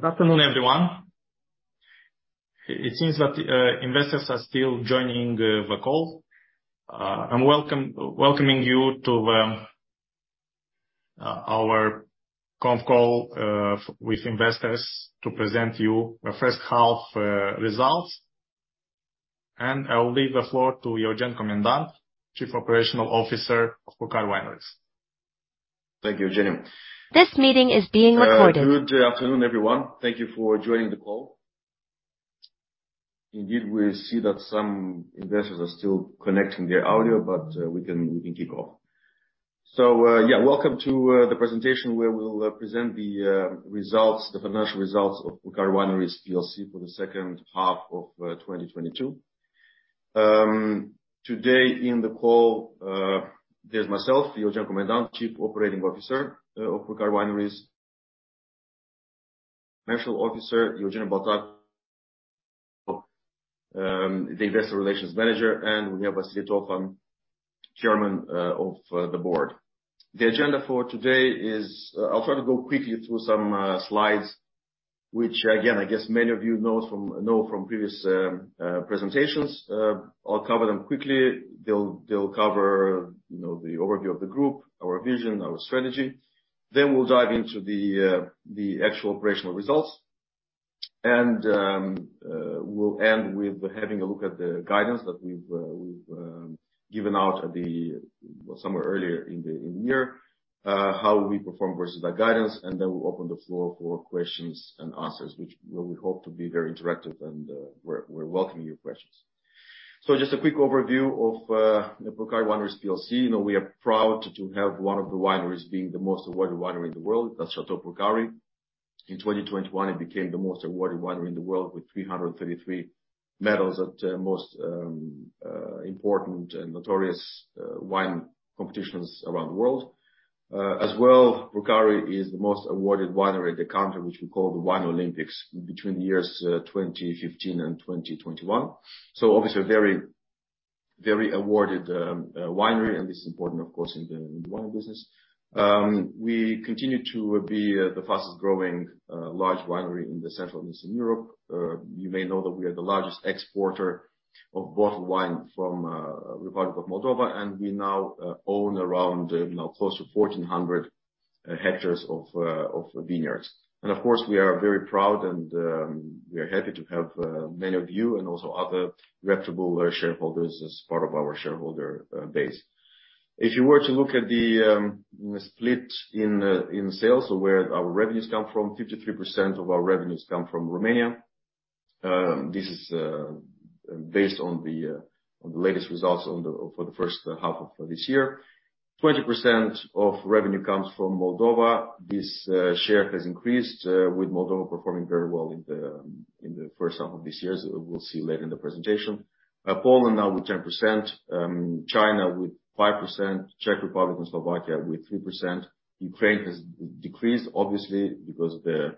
Good afternoon, everyone. It seems that investors are still joining the call. I'm welcoming you to our conference call with investors to present you the first half results. I'll leave the floor to Eugen Comendant, Chief Operating Officer of Purcari Wineries. Thank you, Eugeniu. This meeting is being recorded. Good afternoon, everyone. Thank you for joining the call. Indeed, we see that some investors are still connecting their audio, but we can kick off. Welcome to the presentation where we'll present the results, the financial results of Purcari Wineries PLC for the second half of 2022. Today in the call, there's myself, Eugen Comendant, Chief Operating Officer of Purcari Wineries. Financial Officer, Eugeniu Baltag. The Investor Relations Manager, and we have Vasile Tofan, Chairman of the board. The agenda for today is. I'll try to go quickly through some slides, which again, I guess many of you know from previous presentations. I'll cover them quickly. They'll cover, you know, the overview of the group, our vision, our strategy. We'll dive into the actual operational results. We'll end with having a look at the guidance that we've given out. Well, somewhere earlier in the year, how we perform versus our guidance, and then we'll open the floor for questions and answers, which, well, we hope to be very interactive and, we're welcoming your questions. Just a quick overview of the Purcari Wineries PLC. You know, we are proud to have one of the wineries being the most awarded winery in the world. That's Château Purcari. In 2021, it became the most awarded winery in the world with 333 medals at most important and notorious wine competitions around the world. As well, Purcari is the most awarded winery at the contest which we call the Wine Olympics between years 2015 and 2021. Obviously a very awarded winery, and this is important of course in the wine business. We continue to be the fastest growing large winery in Central and Eastern Europe. You may know that we are the largest exporter of bottled wine from Republic of Moldova, and we now own around, you know, close to 1,400 hectares of vineyards. Of course, we are very proud and we are happy to have many of you and also other reputable shareholders as part of our shareholder base. If you were to look at the split in sales or where our revenues come from, 53% of our revenues come from Romania. This is based on the latest results for the first half of this year. 20% of revenue comes from Moldova. This share has increased with Moldova performing very well in the first half of this year, as we'll see later in the presentation. Poland now with 10%, China with 5%, Czech Republic and Slovakia with 3%. Ukraine has decreased obviously because the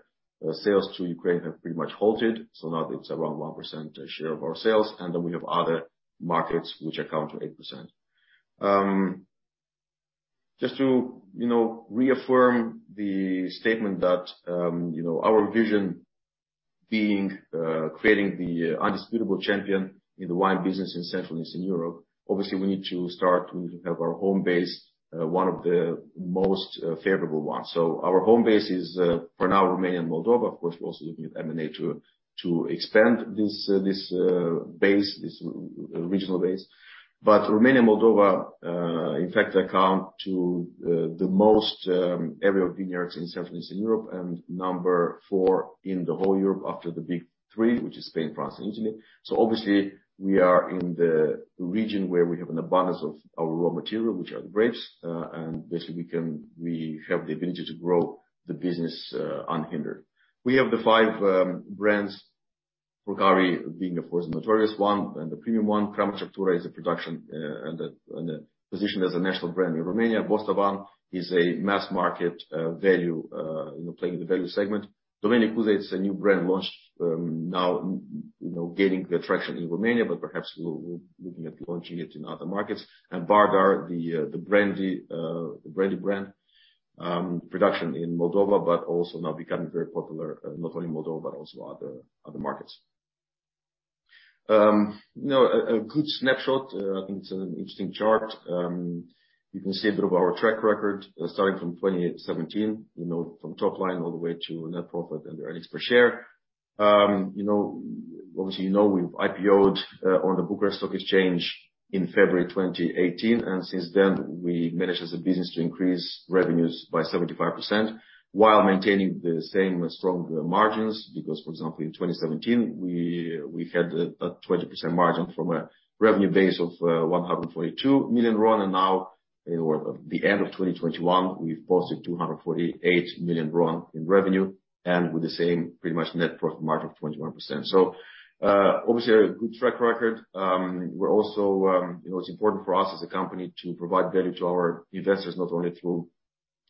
sales to Ukraine have pretty much halted, so now it's around 1% share of our sales, and then we have other markets which account for 8%. Just to, you know, reaffirm the statement that, you know, our vision being creating the indisputable champion in the wine business in Central and Eastern Europe, obviously we need to start to have our home base, one of the most favorable ones. Our home base is for now, Romania and Moldova. Of course, we're also looking at M&A to expand this base, this regional base. Romania and Moldova in fact account for the most area of vineyards in Central and Eastern Europe, and number four in the whole Europe after the big three, which is Spain, France and Italy. Obviously we are in the region where we have an abundance of our raw material, which are the grapes, and basically we have the ability to grow the business unhindered. We have the five brands. Purcari being of course the notable one and the premium one. Crama Ceptura is a production and positioned as a national brand in Romania. Bostavan is a mass market value, you know, playing in the value segment. Domeniile Cuza is a new brand launched now, you know, gaining traction in Romania, but perhaps we're looking at launching it in other markets. Bardar, the brandy brand production in Moldova, but also now becoming very popular, not only in Moldova but also other markets. You know, a good snapshot, I think it's an interesting chart. You can see a bit of our track record, starting from 2017, you know, from top line all the way to net profit and the earnings per share. You know, obviously, you know, we've IPO'd on the Bucharest Stock Exchange in February 2018, and since then, we managed as a business to increase revenues by 75% while maintaining the same strong margins. Because, for example, in 2017, we had a 20% margin from a revenue base of RON 142 million, and now, or the end of 2021, we've posted RON 248 million in revenue and with the same pretty much net profit margin of 21%. Obviously a good track record. We're also, you know, it's important for us as a company to provide value to our investors, not only through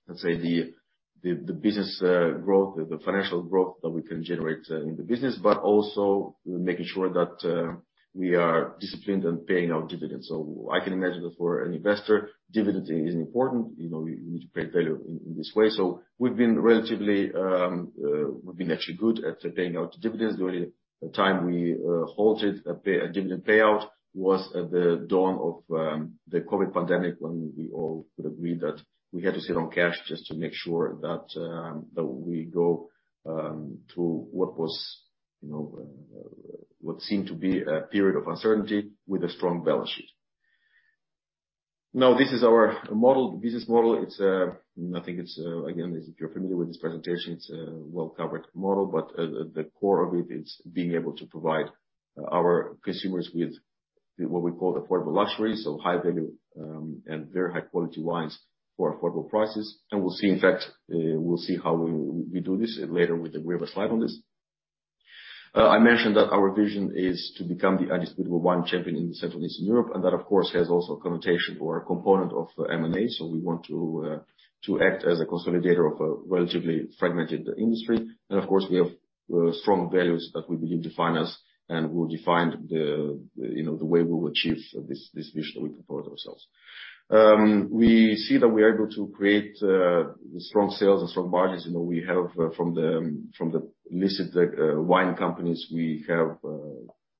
the business growth, the financial growth that we can generate in the business, but also making sure that we are disciplined in paying our dividends. I can imagine that for an investor, dividend is important. You know, we need to create value in this way. We've been actually good at paying out dividends. The only time we halted a dividend payout was at the dawn of the COVID pandemic, when we all would agree that we had to sit on cash just to make sure that we go through what was, you know, what seemed to be a period of uncertainty with a strong balance sheet. Now, this is our model, business model. Again, if you're familiar with this presentation, it's a well-covered model, but the core of it is being able to provide our consumers with what we call affordable luxury, so high value, and very high-quality wines for affordable prices. We'll see. In fact, we'll see how we do this later, we have a slide on this. I mentioned that our vision is to become the indisputable wine champion in the Central and Eastern Europe, and that of course has also a connotation or a component of M&A. We want to act as a consolidator of a relatively fragmented industry. Of course, we have strong values that we believe define us and will define the, you know, the way we will achieve this vision that we propose ourselves. We see that we are able to create strong sales and strong margins. You know, we have from the listed wine companies, we have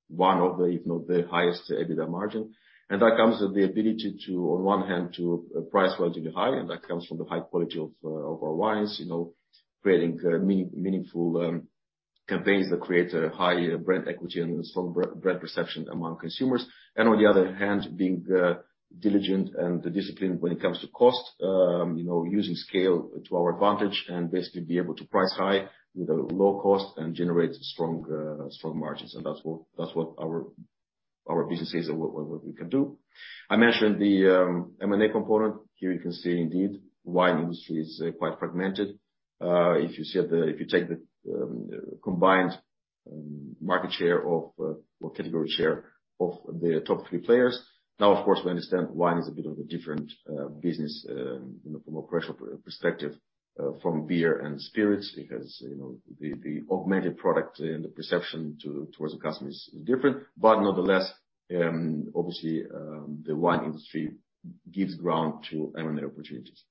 one of the, if not the highest EBITDA margin. That comes with the ability to, on one hand, to price relatively high, and that comes from the high quality of our wines. You know, creating meaningful campaigns that create a high brand equity and a strong brand perception among consumers. On the other hand, being diligent and disciplined when it comes to cost, you know, using scale to our advantage and basically be able to price high with a low cost and generate strong margins. That's what our business says what we can do. I mentioned the M&A component. Here you can see indeed, wine industry is quite fragmented. If you take the combined market share of, or category share of the top three players. Now, of course, we understand wine is a bit of a different business from a commercial perspective from beer and spirits, because, you know, the augmented product and the perception towards the customer is different. Nonetheless, obviously, the wine industry gives ground to M&A opportunities.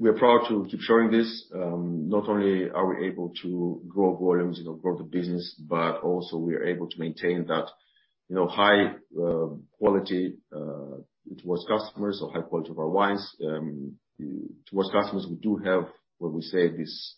We are proud to keep showing this. Not only are we able to grow volumes, you know, grow the business, but also we are able to maintain that, you know, high quality towards customers or high quality of our wines. Towards customers, we do have what we say this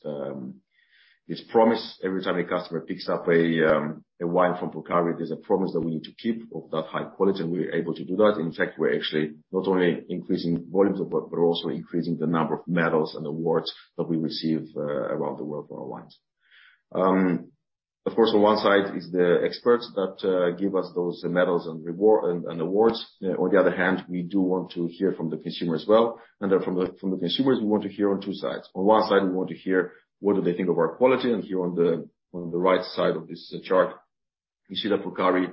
promise. Every time a customer picks up a wine from Purcari, there's a promise that we need to keep of that high quality, and we are able to do that. In fact, we're actually not only increasing volumes, but we're also increasing the number of medals and awards that we receive around the world for our wines. Of course, on one side is the experts that give us those medals and awards. On the other hand, we do want to hear from the consumer as well. Then from the consumers, we want to hear on two sides. On one side, we want to hear what do they think of our quality. Here on the right side of this chart, you see that Purcari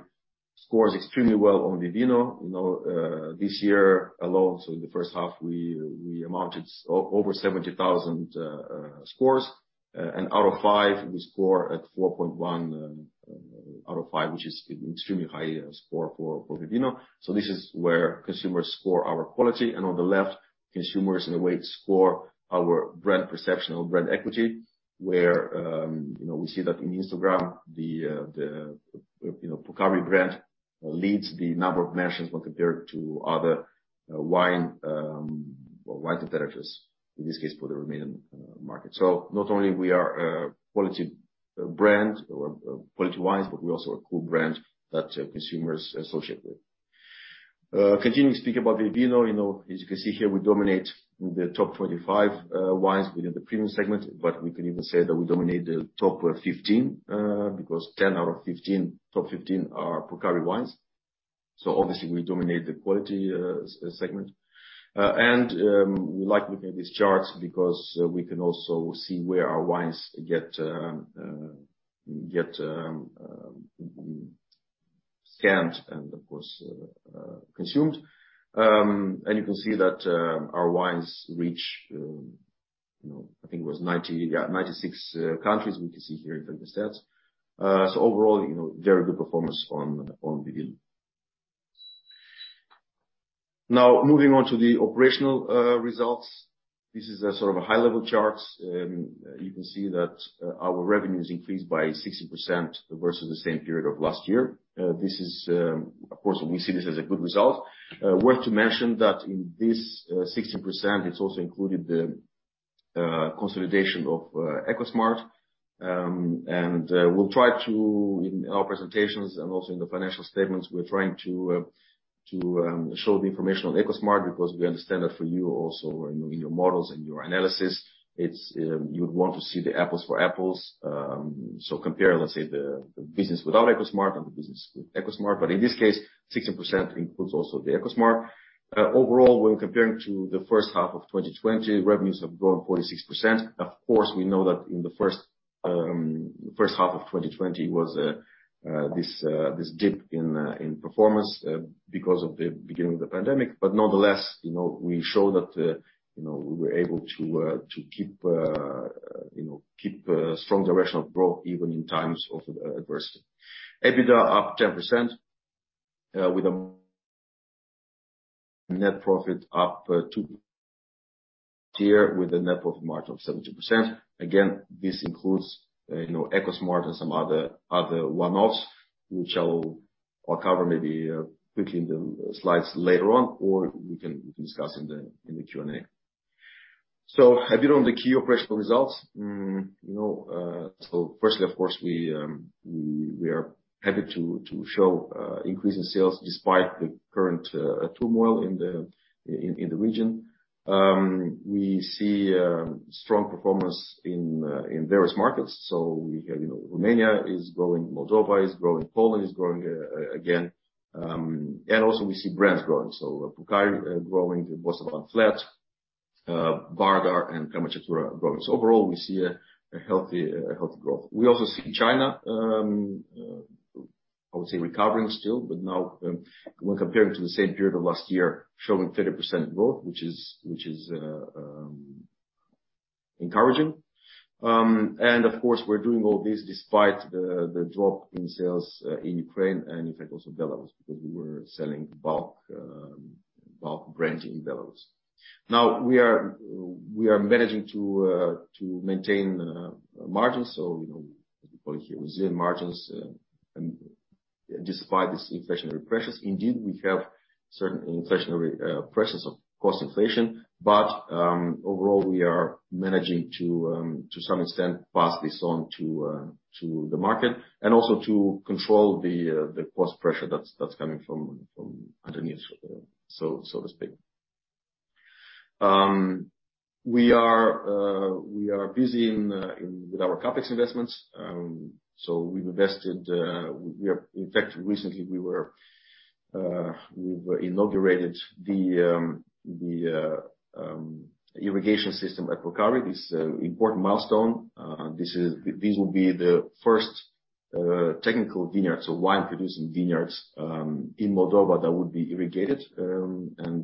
scores extremely well on Vivino. You know, this year alone, in the first half, we amounted over 70,000 scores, and out of five, we score at 4.1 out of five, which is extremely high score for Vivino. This is where consumers score our quality. On the left, consumers, in a way, score our brand perception or brand equity, where you know, we see that in Instagram, the Purcari brand leads the number of mentions when compared to other wine or wine alternatives, in this case, for the Romanian market. Not only we are a quality brand or quality wines, but we also a cool brand that consumers associate with. Continuing to speak about Vivino, you know, as you can see here, we dominate the top 25 wines within the premium segment, but we can even say that we dominate the top 15, because 10 out of 15, top 15 are Purcari wines. Obviously, we dominate the quality segment. We like looking at these charts because we can also see where our wines get scanned and of course, consumed. You can see that, our wines reach, you know, I think it was 96 countries we can see here in terms of stats. Overall, you know, very good performance on Vivino. Now, moving on to the operational results. This is a sort of a high-level chart. You can see that our revenues increased by 60% versus the same period of last year. This is, of course, we see this as a good result. Worth to mention that in this 60%, it's also included the consolidation of Ecosmart. We'll try to, in our presentations and also in the financial statements, we're trying to show the information on Ecosmart because we understand that for you also in your models and your analysis, it's you would want to see the apples to apples. Compare, let's say, the business without Ecosmart and the business with Ecosmart. In this case, 60% includes also the Ecosmart. Overall, when comparing to the first half of 2020, revenues have grown 46%. Of course, we know that in the first half of 2020 was this dip in performance because of the beginning of the pandemic. Nonetheless, you know, we show that, you know, we were able to keep strong directional growth even in times of adversity. EBITDA up 10%, with a net profit up 27% with a net profit margin of 17%. Again, this includes, you know, Ecosmart and some other one-offs, which I'll cover maybe quickly in the slides later on, or we can discuss in the Q&A. A bit on the key operational results. You know, firstly, of course, we are happy to show increase in sales despite the current turmoil in the region. We see strong performance in various markets. We have, you know, Romania is growing, Moldova is growing, Poland is growing again, and also we see brands growing. Purcari growing, the Bostavan flat, Bardar and Crama Ceptura growing. Overall, we see a healthy growth. We also see China, I would say, recovering still, but now, when comparing to the same period of last year, showing 30% growth, which is encouraging. Of course, we're doing all this despite the drop in sales in Ukraine and in fact also Belarus because we were selling bulk branding in Belarus. Now we are managing to maintain margins. You know, as we call it here, resilient margins despite this inflationary pressures. Indeed, we have certain inflationary pressures of cost inflation. Overall, we are managing to some extent pass this on to the market and also to control the cost pressure that's coming from underneath, so to speak. We are busy with our CapEx investments. We've recently inaugurated the irrigation system at Purcari. This will be the first technical vineyard, so wine-producing vineyards, in Moldova that would be irrigated.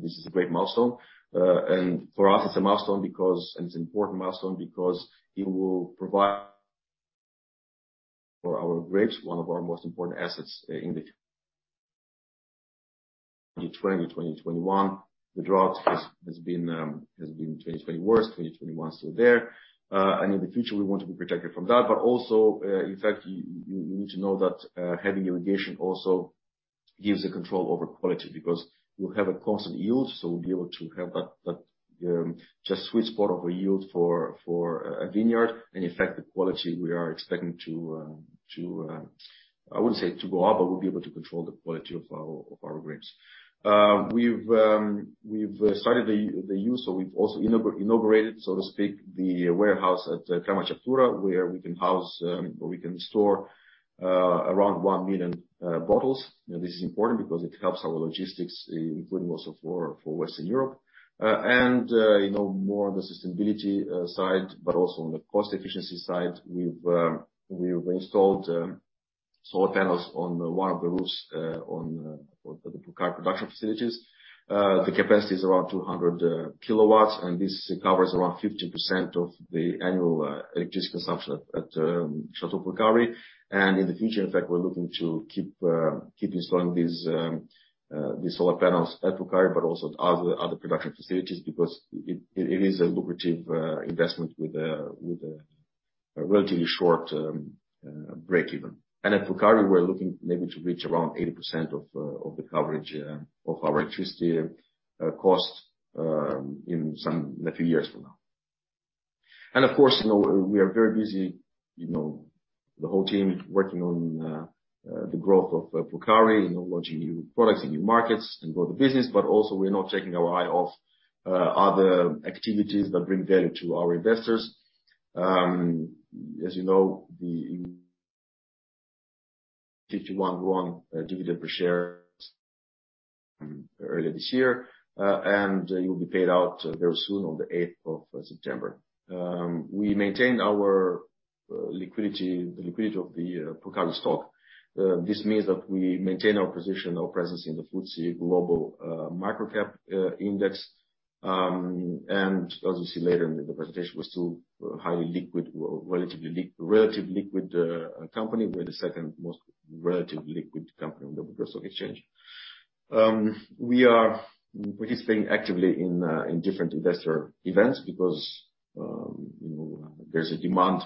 This is a great milestone. For us it's a milestone because it's an important milestone because it will provide for our grapes, one of our most important assets in the 2020, 2021, the drought has been 2020 worse, 2021 still there. In the future we want to be protected from that. In fact, you need to know that having irrigation also gives a control over quality because we'll have a constant yield, so we'll be able to have that just sweet spot of a yield for a vineyard. In fact, the quality we are expecting. I wouldn't say to go up, but we'll be able to control the quality of our grapes. We've also inaugurated, so to speak, the warehouse at Crama Ceptura, where we can house or we can store around 1 million bottles. This is important because it helps our logistics, including also for Western Europe. You know, more on the sustainability side, but also on the cost efficiency side, we've installed solar panels on one of the roofs for the Purcari production facilities. The capacity is around 200 kW, and this covers around 50% of the annual electricity consumption at Château Purcari. In the future, in fact, we're looking to keep installing these solar panels at Purcari but also at other production facilities because it is a lucrative investment with a relatively short breakeven. At Purcari, we're looking maybe to reach around 80% of the coverage of our electricity cost in a few years from now. Of course, you know, we are very busy, you know, the whole team working on the growth of Purcari, you know, launching new products in new markets and grow the business. Also we're not taking our eye off other activities that bring value to our investors. As you know, the 0.51 RON dividend per share earlier this year, and it will be paid out very soon on the 8th of September. We maintained our liquidity, the liquidity of the Purcari stock. This means that we maintain our position, our presence in the FTSE Global Micro Cap Index. As you'll see later in the presentation, we're still highly liquid, relatively liquid company. We're the second most relatively liquid company on the Bucharest Stock Exchange. We are participating actively in different investor events because, you know, there's a demand,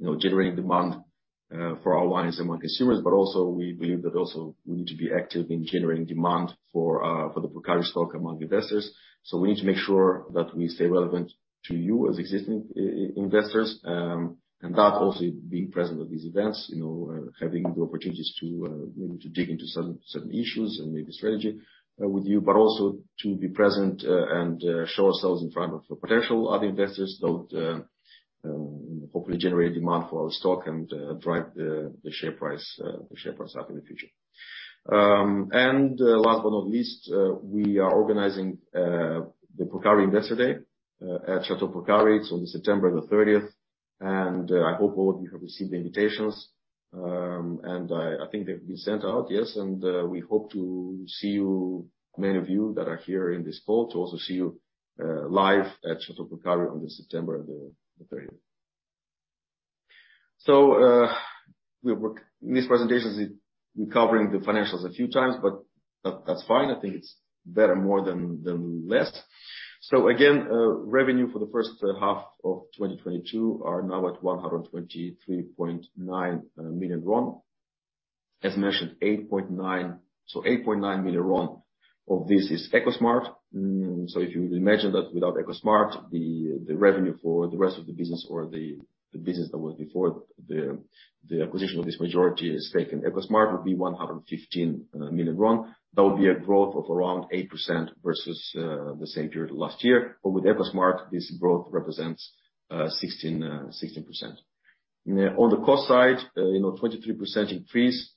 you know, generating demand for our wines among consumers, but also we believe that also we need to be active in generating demand for the Purcari stock among investors. We need to make sure that we stay relevant to you as existing investors. That also being present at these events, you know, having the opportunities to, you know, to dig into certain issues and maybe strategy, with you, but also to be present, and show ourselves in front of potential other investors that, hopefully generate demand for our stock and, drive the share price up in the future. Last but not least, we are organizing the Purcari Investor Day at Château Purcari. It's on September the thirtieth, and I hope all of you have received the invitations. I think they've been sent out, yes. We hope to see you, many of you that are here in this call, to also see you live at Château Purcari on September the thirtieth. In this presentation, we're covering the financials a few times, but that's fine. I think it's better more than less. Revenue for the first half of 2022 are now at RON 123.9 million. As mentioned, RON 8.9 million of this is Ecosmart. If you imagine that without Ecosmart, the revenue for the rest of the business or the business that was before the acquisition of this majority stake in Ecosmart would be RON 115 million. That would be a growth of around 8% versus the same period last year. With Ecosmart, this growth represents 16%. On the cost side, you know, 23% increase.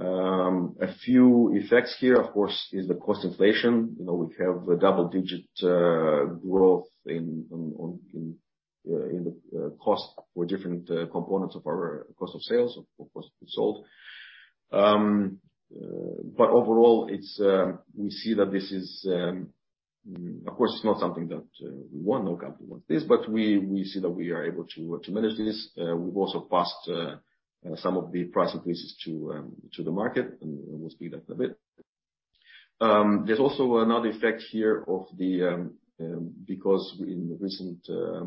A few effects here, of course, is the cost inflation. You know, we have double digit growth in the cost for different components of our cost of sales or cost of goods sold. But overall, it's we see that this is, of course, it's not something that we want. No company wants this. We see that we are able to manage this. We've also passed some of the price increases to the market and we'll speed up a bit. There's also another effect here because in recent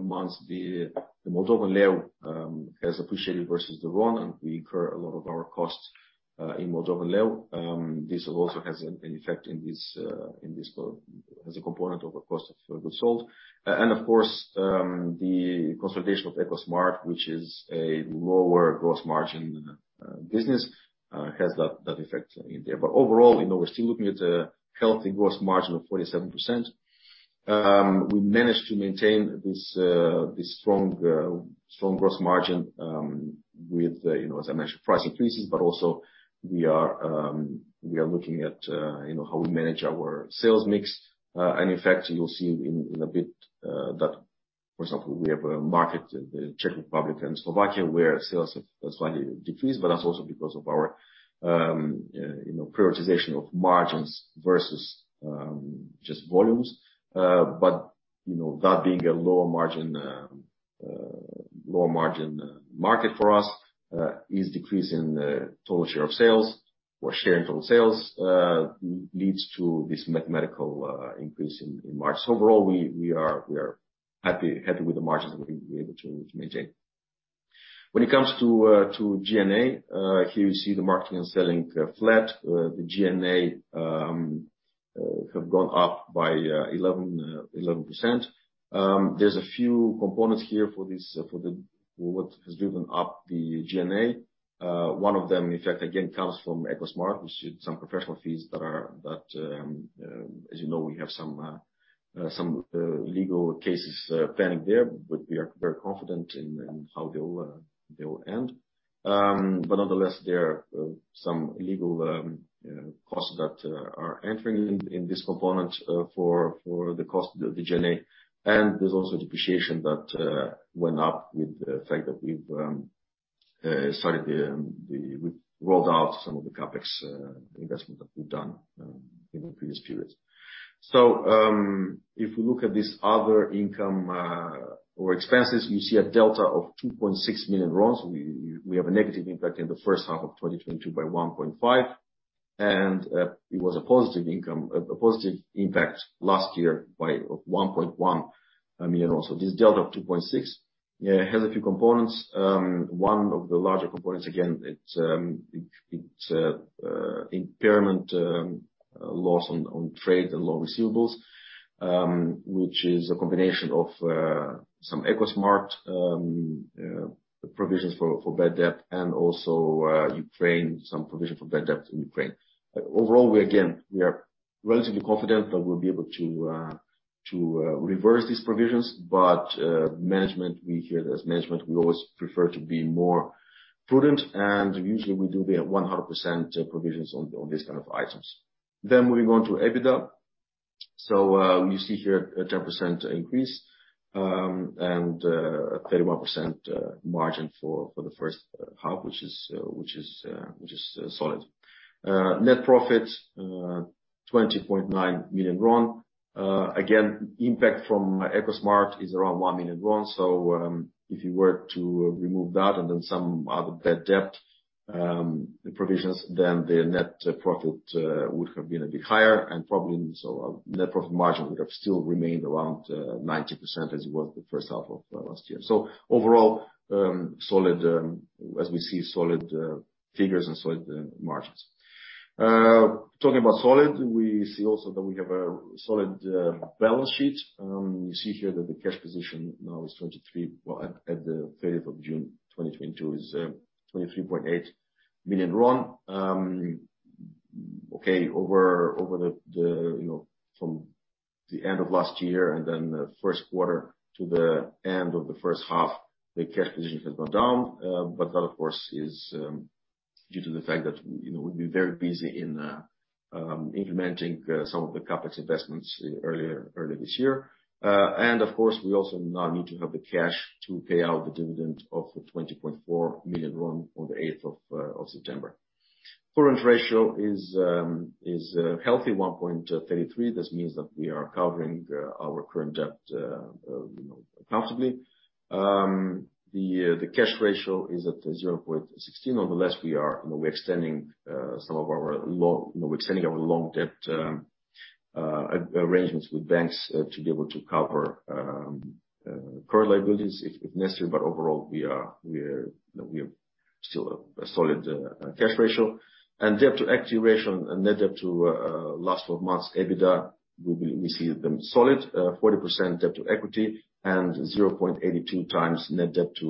months, the Moldovan leu has appreciated versus the RON, and we incur a lot of our costs in Moldovan leu. This also has an effect in this call as a component of our cost of goods sold. Of course, the consolidation of Ecosmart, which is a lower gross margin business, has that effect in there. But overall, you know, we're still looking at a healthy gross margin of 47%. We managed to maintain this strong gross margin with, you know, as I mentioned, price increases. Also we are looking at, you know, how we manage our sales mix. In fact, you'll see in a bit that for example, we have a market, the Czech Republic and Slovakia, where sales have slightly decreased, but that's also because of our, you know, prioritization of margins versus just volumes. You know, that being a lower margin market for us is decreasing the total share of sales or share in total sales leads to this mathematical increase in margins. Overall, we are happy with the margins we've been able to maintain. When it comes to G&A, here you see the marketing and selling flat. The G&A have gone up by 11%. There's a few components here for this, for what has driven up the G&A. One of them, in fact, again, comes from Ecosmart. We see some professional fees, as you know, we have some legal cases pending there. We are very confident in how they'll end. Nonetheless, there are some legal costs that are entering in this component for the cost of the G&A. There's also depreciation that went up with the fact that we've rolled out some of the CapEx investment that we've done in the previous periods. If we look at this other income or expenses, you see a delta of RON 2.6 million. We have a negative impact in the first half of 2022 by RON 1.5 million. It was a positive impact last year by RON 1.1 million. Also this delta of RON 2.6 million has a few components. One of the larger components again it's impairment loss on trade and loan receivables, which is a combination of some Ecosmart provisions for bad debt and also some provision for bad debt in Ukraine. Overall, we again are relatively confident that we'll be able to reverse these provisions. Management here as management always prefer to be more prudent. Usually we do the 100% provisions on these kind of items. Moving on to EBITDA. You see here a 10% increase, and a 31% margin for the first half, which is solid. Net profit RON 20.9 million. Again, impact from Ecosmart is around RON 1 million. If you were to remove that and then some other bad debt provisions, then the net profit would have been a bit higher and probably so our net profit margin would have still remained around 90% as it was the first half of last year. Overall, solid, as we see solid figures and solid margins. Talking about solid, we see also that we have a solid balance sheet. You see here that the cash position now is RON 23. At the 30th of June 2022 is RON 23.8 million. Over the period from the end of last year and then the first quarter to the end of the first half, the cash position has gone down. That of course is due to the fact that you know we've been very busy in implementing some of the CapEx investments earlier this year. Of course, we also now need to have the cash to pay out the dividend of the RON 20.4 million on the 8th of September. Current ratio is healthy 1.33%. This means that we are covering our current debt you know comfortably. The cash ratio is at 0.16%. Nevertheless, we are, you know, we're extending some of our long debt arrangements with banks to be able to cover current liabilities if necessary. Overall, we are, you know, still a solid cash ratio. Debt to equity ratio and net debt to last 12 months EBITDA, we see them solid. 40% debt to equity and 0.82 times net debt to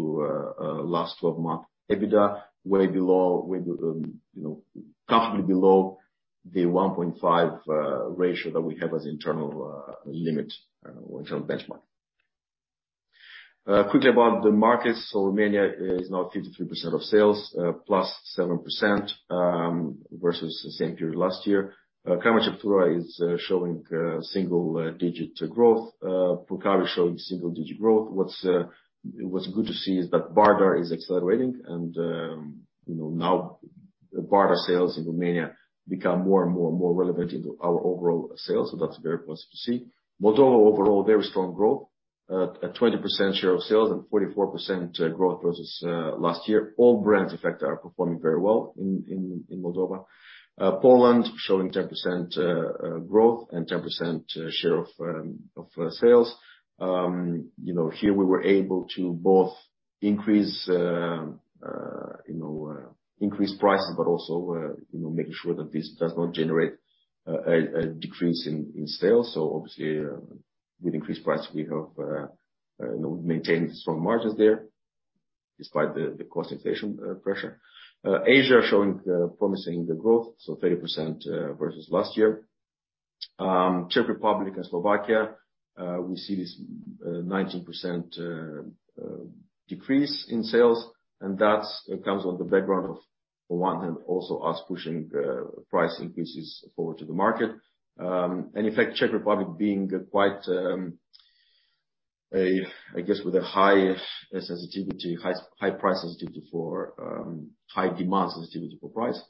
last twelve months EBITDA, way below, you know, comfortably below the 1.5 ratio that we have as internal limit, internal benchmark. Quickly about the markets. Romania is now 53% of sales, +7% versus the same period last year. Crama Ceptura is showing single digit growth. Purcari showing single digit growth. What's good to see is that Bardar is accelerating. Now Bardar sales in Romania become more and more relevant into our overall sales. That's very positive to see. Moldova overall, very strong growth at 20% share of sales and 44% growth versus last year. All brands in fact are performing very well in Moldova. Poland showing 10% growth and 10% share of sales. Here we were able to both increase prices, but also making sure that this does not generate a decrease in sales. Obviously, with increased price, we have maintained strong margins there despite the cost inflation pressure. Asia showing promising growth, so 30% versus last year. Czech Republic and Slovakia, we see this 19% decrease in sales, and that comes on the background of, on one hand, also us pushing price increases forward to the market. In fact, Czech Republic being quite, I guess, with a high sensitivity, high price sensitivity to high demand sensitivity to price.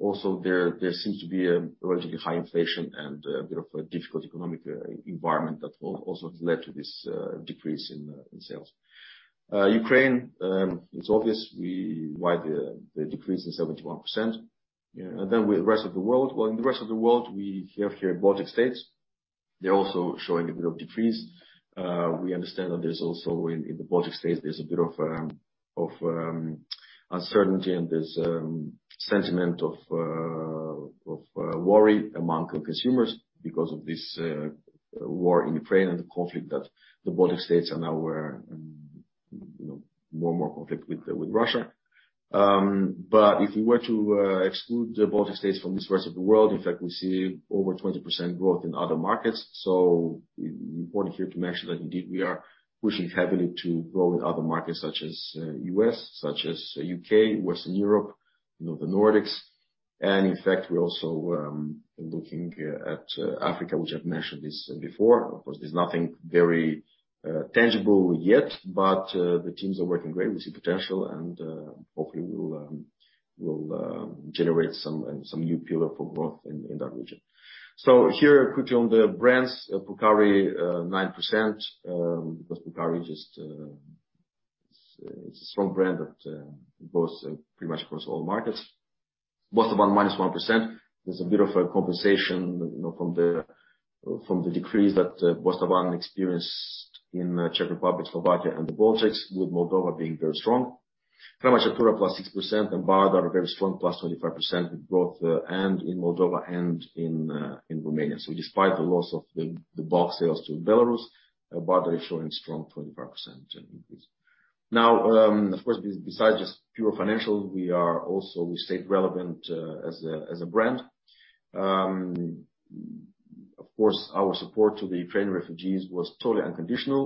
Also there seems to be a relatively high inflation and a bit of a difficult economic environment that also has led to this decrease in sales. Ukraine, it's obvious why the decrease in 71%. With the rest of the world, well, in the rest of the world, we have here Baltic States. They're also showing a bit of decrease. We understand that there's also in the Baltic States, there's a bit of uncertainty and there's sentiment of worry among consumers because of this war in Ukraine and the conflict that the Baltic States are now, you know, more and more conflict with Russia. If we were to exclude the Baltic States from this rest of the world, in fact we see over 20% growth in other markets. Important here to mention that indeed we are pushing heavily to grow in other markets such as U.S., such as U.K., Western Europe, you know, the Nordics. In fact, we're also looking at Africa, which I've mentioned this before. Of course, there's nothing very tangible yet, but the teams are working great. We see potential, and hopefully we'll generate some new pillar for growth in that region. Here quickly on the brands, Purcari 9%, because Purcari just, it's a strong brand that grows pretty much across all markets. Bostavan -1%. There's a bit of a compensation, you know, from the decrease that Bostavan experienced in Czech Republic, Slovakia and the Baltics, with Moldova being very strong. Cuza +6% and Bardar very strong +25% with growth in Moldova and in Romania. Despite the loss of the bulk sales to Belarus, Bardar is showing strong 25% increase. Now, of course, besides just pure financials, we stayed relevant as a brand. Of course, our support to the Ukrainian refugees was totally unconditional.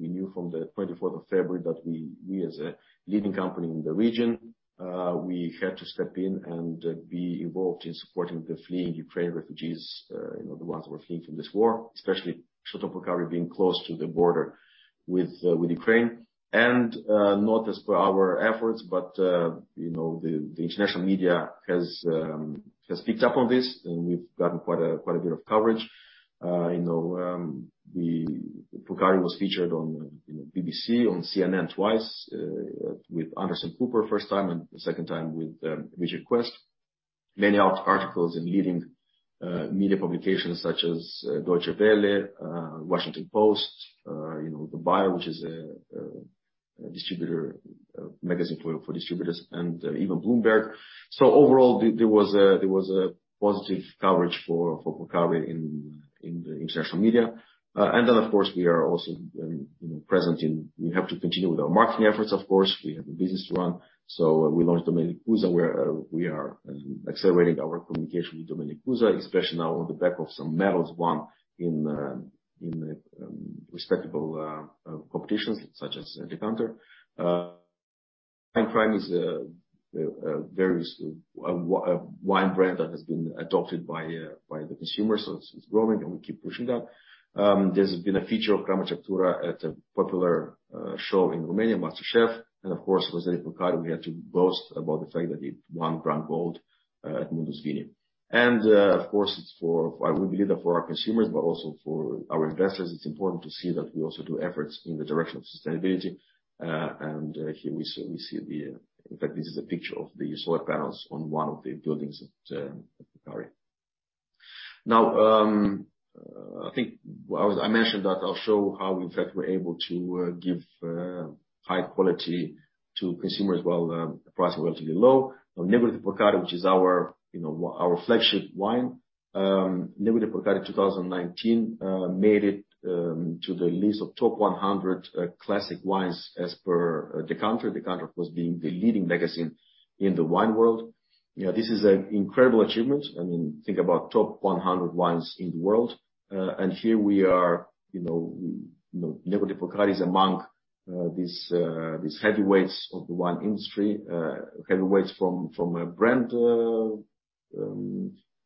We knew from the twenty-fourth of February that we, as a leading company in the region, had to step in and be involved in supporting the fleeing Ukrainian refugees, you know, the ones who are fleeing from this war, especially Château Purcari being close to the border with Ukraine. Not as per our efforts, but you know, the international media has picked up on this, and we've gotten quite a bit of coverage. You know, Purcari was featured on BBC, on CNN twice, with Anderson Cooper first time and the second time with Richard Quest. Many articles in leading media publications such as Deutsche Welle, Washington Post, you know, the Buyer, which is a magazine for distributors and even Bloomberg. Overall, there was positive coverage for Purcari in social media. We have to continue with our marketing efforts of course, we have a business to run, so we launched Domeniile Cuza where we are accelerating our communication with Domeniile Cuza, especially now on the back of some medals won in respectable competitions such as Decanter. Prime is a value wine brand that has been adopted by the consumer, so it's growing and we keep pushing that. There's been a feature of Crama Ceptura at a popular show in Romania, MasterChef România, and of course, with Domeniile Cuza we had to boast about the fact that it won grand gold at Mundus Vini. We believe that for our consumers, but also for our investors, it's important to see that we also do efforts in the direction of sustainability. In fact, this is a picture of the solar panels on one of the buildings at Purcari. Now, I think I mentioned that I'll show how in fact we're able to give high quality to consumers while the price is relatively low. Now, Negru de Purcari which is our, you know, our flagship wine. Negru de Purcari 2019 made it to the list of top 100 classic wines as per Decanter. Decanter, of course, being the leading magazine in the wine world. You know, this is an incredible achievement. I mean, think about top 100 wines in the world. Here we are, you know, Negru de Purcari is among these heavyweights of the wine industry. Heavyweights from a brand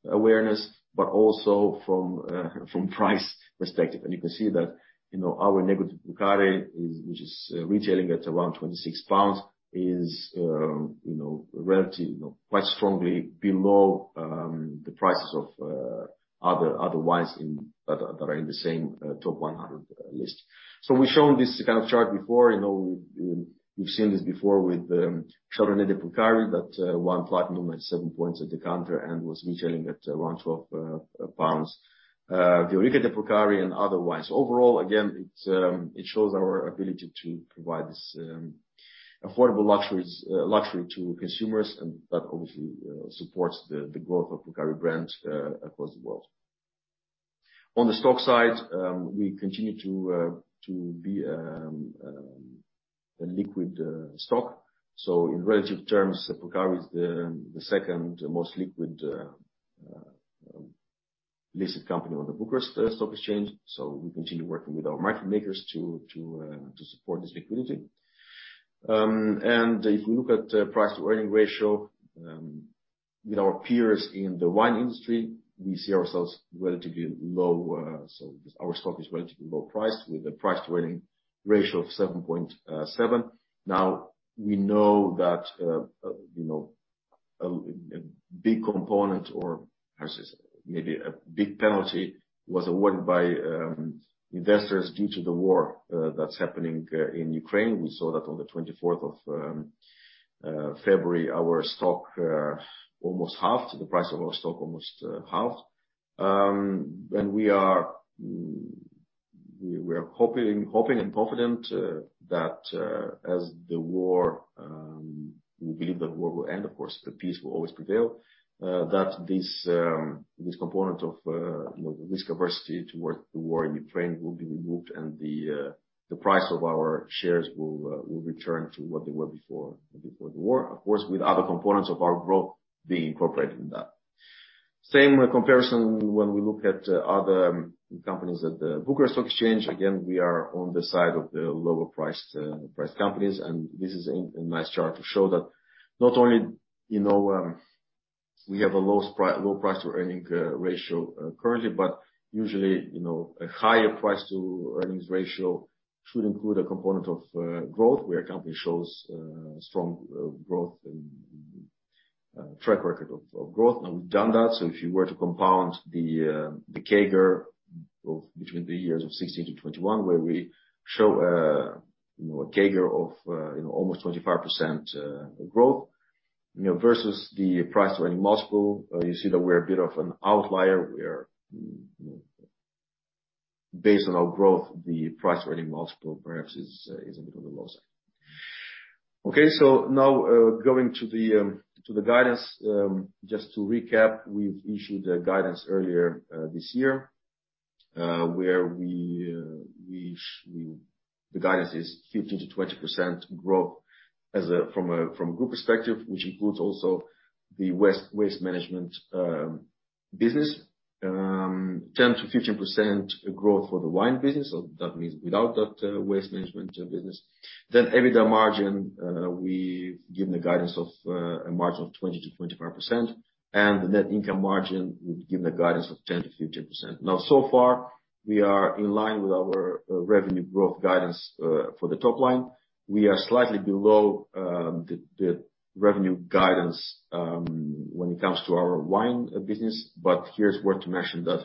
awareness, but also from price perspective. You can see that, you know, our Negru de Purcari, which is retailing at around 26 pounds is, you know, relative, you know, quite strongly below the prices of other wines that are in the same top 100 list. We've shown this kind of chart before, you know, we've seen this before with Chardonnay de Purcari that won platinum at 97 points at Decanter and was retailing at around 12 pounds. The Cuvée de Purcari and other wines. Overall, again, it shows our ability to provide this affordable luxury to consumers, and that obviously supports the growth of Purcari brand across the world. On the stock side, we continue to be a liquid stock. In relative terms, Purcari is the second most liquid listed company on the Bucharest Stock Exchange. We continue working with our market makers to support this liquidity. If you look at price-to-earnings ratio with our peers in the wine industry, we see ourselves relatively low. Our stock is relatively low price with a price-to-earnings ratio of 7.7%. Now, we know that a big component or how to say, maybe a big penalty was awarded by investors due to the war that's happening in Ukraine. We saw that on the twenty-fourth of February, the price of our stock almost halved. We are hoping and confident that we believe the war will end, of course, the peace will always prevail. This component of, you know, risk aversion towards the war in Ukraine will be removed and the price of our shares will return to what they were before the war. Of course, with other components of our growth being incorporated in that. Same comparison when we look at other companies at the Bucharest Stock Exchange. Again, we are on the side of the lower priced companies, and this is a nice chart to show that not only, you know, we have a low price to earnings ratio currently, but usually, you know, a higher price to earnings ratio should include a component of growth, where a company shows strong growth and track record of growth. Now, we've done that, so if you were to compound the CAGR growth between the years of 2016-2021, where we show, you know, a CAGR of almost 25% growth, you know, versus the price-to-earnings multiple, you see that we're a bit of an outlier. We're, you know, based on our growth, the price-to-earnings multiple perhaps is a bit on the lower side. Okay. Now, going to the guidance. Just to recap, we've issued a guidance earlier this year, where we. The guidance is 15%-20% growth from a group perspective, which includes also the waste management business. 10%-15% growth for the wine business, so that means without that waste management business. Then EBITDA margin, we've given the guidance of a margin of 20%-25%, and net income margin, we've given the guidance of 10%-15%. Now, so far, we are in line with our revenue growth guidance for the top line. We are slightly below the revenue guidance when it comes to our wine business, but it's worth mentioning that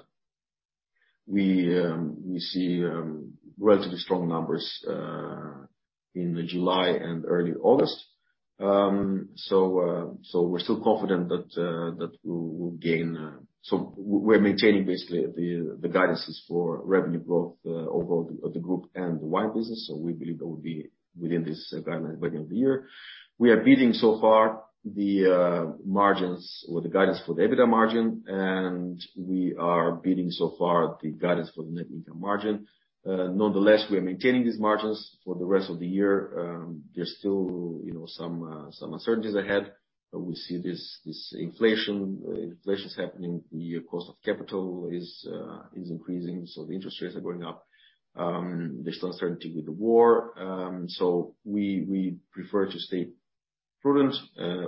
we see relatively strong numbers in July and early August, so we're still confident that we'll gain. We're maintaining basically the guidances for revenue growth overall of the group and the wine business. We believe that will be within this guideline by the end of the year. We are beating so far the margins or the guidance for the EBITDA margin, and we are beating so far the guidance for the net income margin. Nonetheless, we are maintaining these margins for the rest of the year. There's still some uncertainties ahead, but we see this inflation. Inflation is happening. The cost of capital is increasing, so the interest rates are going up. There's still uncertainty with the war. We prefer to stay prudent,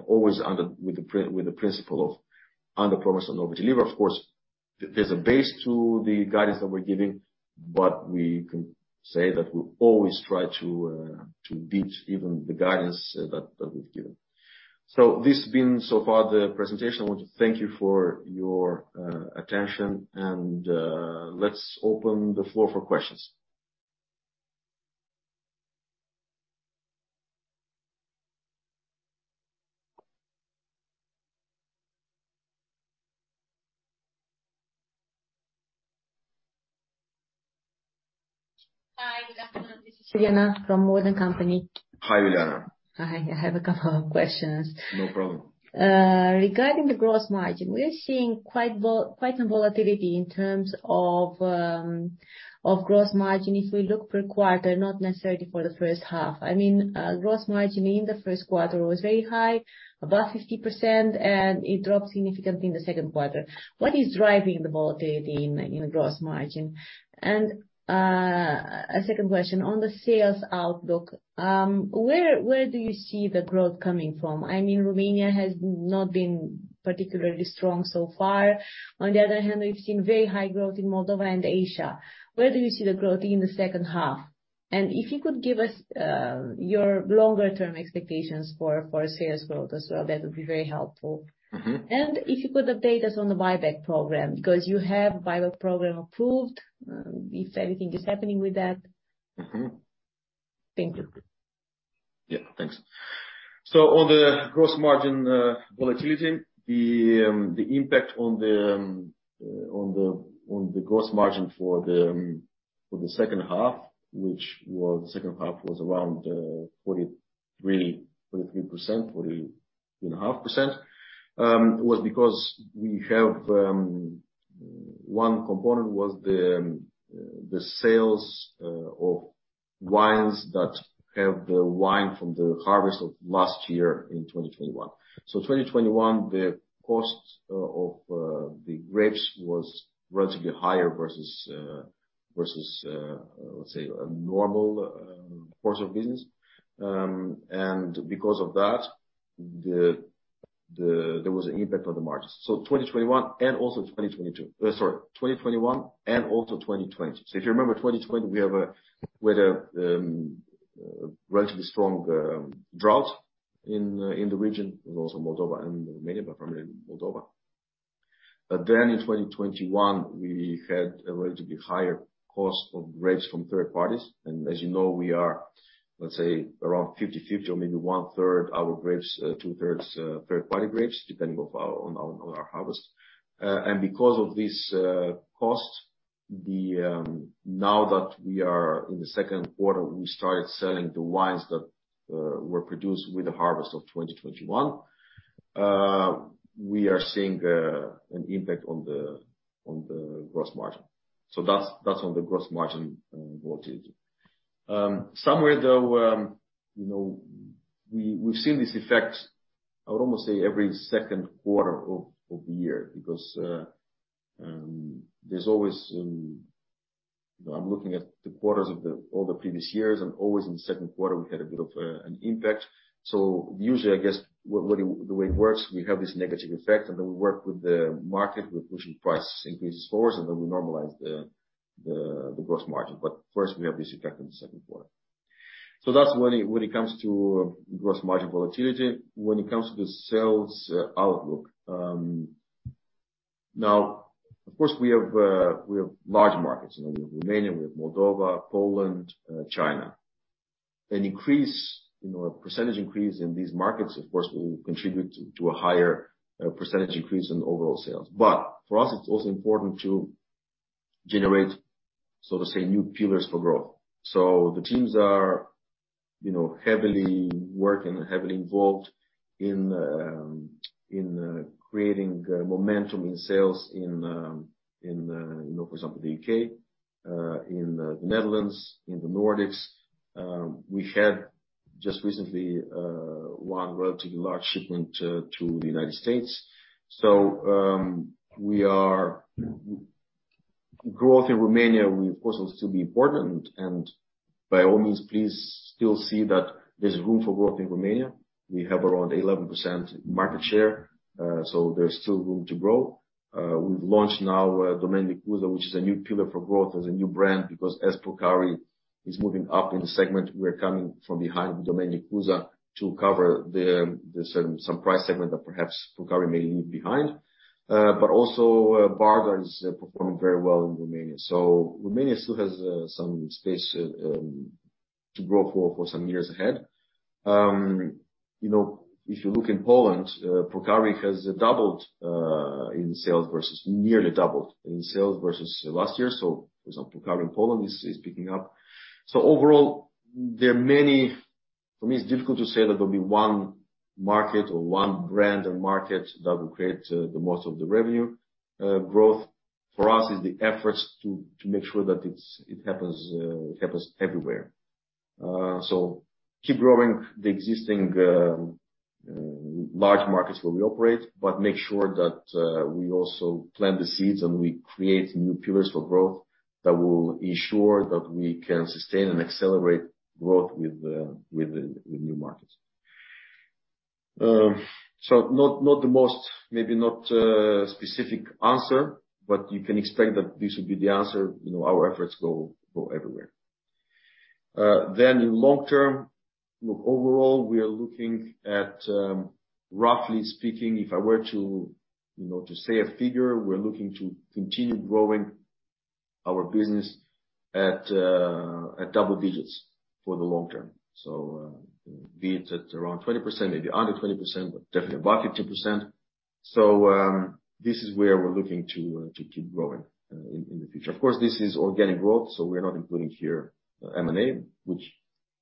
always under with the principle of under promise and over deliver. Of course, there's a base to the guidance that we're giving, but we can say that we always try to beat even the guidance that we've given. This has been so far the presentation. I want to thank you for your attention and let's open the floor for questions. Hi, good afternoon. This is Uliana from Morgan Stanley. Hi, Uliana. Hi. I have a couple of questions. No problem. Regarding the gross margin, we are seeing quite a volatility in terms of gross margin if we look per quarter, not necessarily for the first half. I mean, gross margin in the first quarter was very high, above 50%, and it dropped significantly in the second quarter. What is driving the volatility in the gross margin? A second question on the sales outlook, where do you see the growth coming from? I mean, Romania has not been particularly strong so far. On the other hand, we've seen very high growth in Moldova and Asia. Where do you see the growth in the second half? If you could give us your longer term expectations for sales growth as well, that would be very helpful. Mm-hmm. If you could update us on the buyback program, because you have buyback program approved, if anything is happening with that. Mm-hmm. Thank you. Yeah, thanks. On the gross margin volatility, the impact on the gross margin for the second half, which was around 43%, 43.5%, was because we have one component, the sales of wines that have the wine from the harvest of last year in 2021. 2021, the cost of the grapes was relatively higher versus let's say a normal course of business. Because of that, there was an impact on the margins. 2021 and also 2020. If you remember 2020, we had a relatively strong drought in the region and also Moldova and Romania, but primarily Moldova. Then in 2021, we had a relatively higher cost of grapes from third parties. As you know, we are, let's say, around 50%-50% or maybe 1/3 our grapes, 2/3 third party grapes, depending on our harvest. Because of this cost, now that we are in the second quarter, we started selling the wines that were produced with the harvest of 2021. We are seeing an impact on the gross margin. That's on the gross margin volatility. Somewhere though, you know, we've seen this effect. I would almost say every second quarter of the year because there's always... You know, I'm looking at the quarters of all the previous years, and always in the second quarter we had a bit of an impact. Usually, I guess the way it works, we have this negative effect, and then we work with the market. We're pushing price increases forwards, and then we normalize the gross margin. But first we have this effect in the second quarter. That's when it comes to gross margin volatility. When it comes to the sales outlook, now of course we have large markets. You know, we have Romania, we have Moldova, Poland, China. An increase, a percentage increase in these markets of course will contribute to a higher percentage increase in overall sales. For us, it's also important to generate, so to say, new pillars for growth. The teams are heavily working and heavily involved in creating momentum in sales in, for example, the U.K., in the Netherlands, in the Nordics. We had just recently one relatively large shipment to the United States. Growth in Romania will of course still be important. By all means, please still see that there's room for growth in Romania. We have around 11% market share, so there's still room to grow. We've launched now Domeniile Cuza, which is a new pillar for growth as a new brand. Because as Purcari is moving up in the segment, we are coming from behind Domeniile Cuza to cover the some price segment that perhaps Purcari may leave behind. But also, Bardar is performing very well in Romania. So Romania still has some space to grow for some years ahead. You know, if you look in Poland, Purcari has doubled in sales versus nearly doubled in sales versus last year. So for example, Purcari in Poland is picking up. So overall there are many. For me, it's difficult to say that there'll be one market or one brand or market that will create the most of the revenue. Growth for us is the efforts to make sure that it happens everywhere. Keep growing the existing large markets where we operate, but make sure that we also plant the seeds and we create new pillars for growth that will ensure that we can sustain and accelerate growth with the new markets. Not the most, maybe not specific answer, but you can expect that this will be the answer. You know, our efforts go everywhere. In long term, look, overall we are looking at, roughly speaking, if I were to, you know, to say a figure, we're looking to continue growing our business at double digits for the long term. Be it at around 20%, maybe under 20%, but definitely above 15%. This is where we're looking to keep growing in the future. Of course, this is organic growth, so we're not including here M&A, which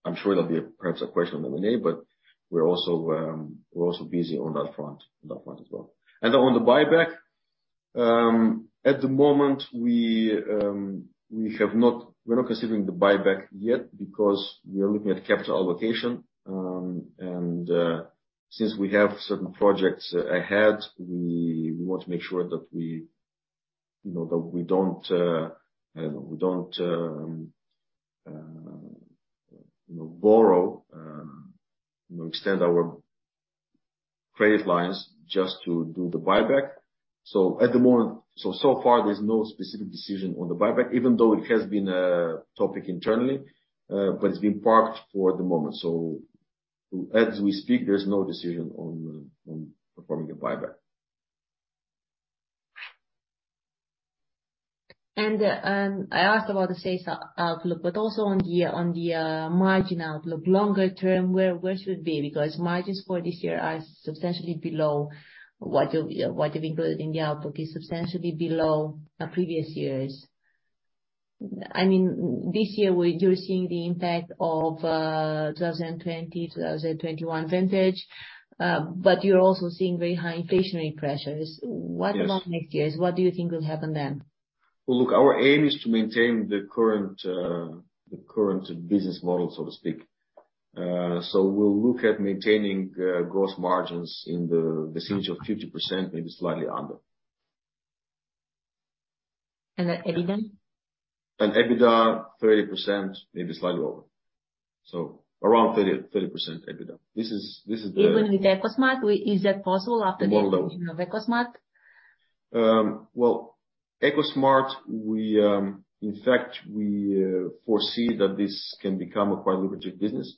I'm sure there'll be perhaps a question on M&A, but we're also busy on that front as well. On the buyback, at the moment we're not considering the buyback yet because we are looking at capital allocation, and since we have certain projects ahead, we want to make sure that we you know that we don't you know borrow you know extend our credit lines just to do the buyback. At the moment, so far there's no specific decision on the buyback, even though it has been a topic internally, but it's been parked for the moment. As we speak, there's no decision on performing a buyback. I asked about the sales outlook, but also on the margin outlook. Longer term, where should it be? Because margins for this year are substantially below what you've included in the outlook, is substantially below the previous years. I mean, this year you're seeing the impact of 2021 vintage, but you're also seeing very high inflationary pressures. Yes. What about next year? What do you think will happen then? Well, look, our aim is to maintain the current business model, so to speak. We'll look at maintaining gross margins in the vicinity of 50%, maybe slightly under. EBITDA? EBITDA 30%, maybe slightly over. Around 30% EBITDA. Even with Ecosmart? Is that possible after- More or less. the acquisition of Ecosmart? Well, Ecosmart, we in fact foresee that this can become a quite lucrative business.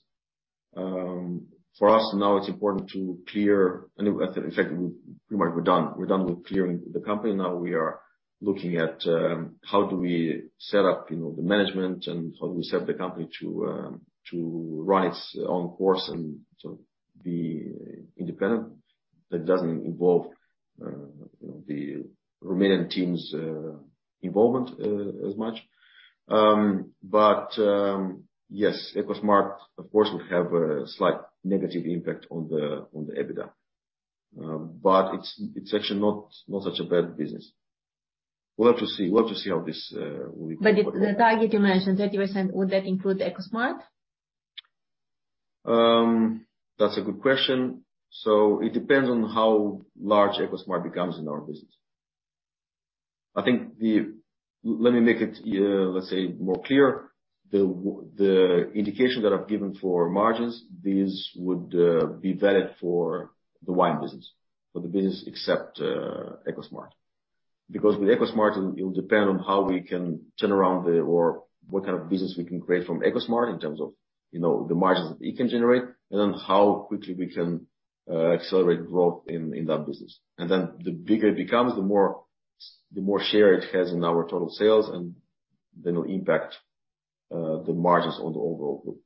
For us now it's important to clear, and in fact, we're pretty much done with clearing the company. Now we are looking at how do we set up, you know, the management and how do we set the company to rise on course and to be independent. That doesn't involve, you know, the Romanian team's involvement, as much. Yes, Ecosmart of course will have a slight negative impact on the EBITDA. It's actually not such a bad business. We'll have to see how this will evolve. The target you mentioned, 30%, would that include Ecosmart? That's a good question. It depends on how large Ecosmart becomes in our business. I think. Let me make it, let's say more clear. The indication that I've given for margins, these would be valid for the wine business, for the business except Ecosmart. Because with Ecosmart, it will depend on how we can turn around or what kind of business we can create from Ecosmart in terms of, you know, the margins it can generate, and then how quickly we can accelerate growth in that business. Then the bigger it becomes, the more share it has in our total sales and then will impact the margins on the overall group.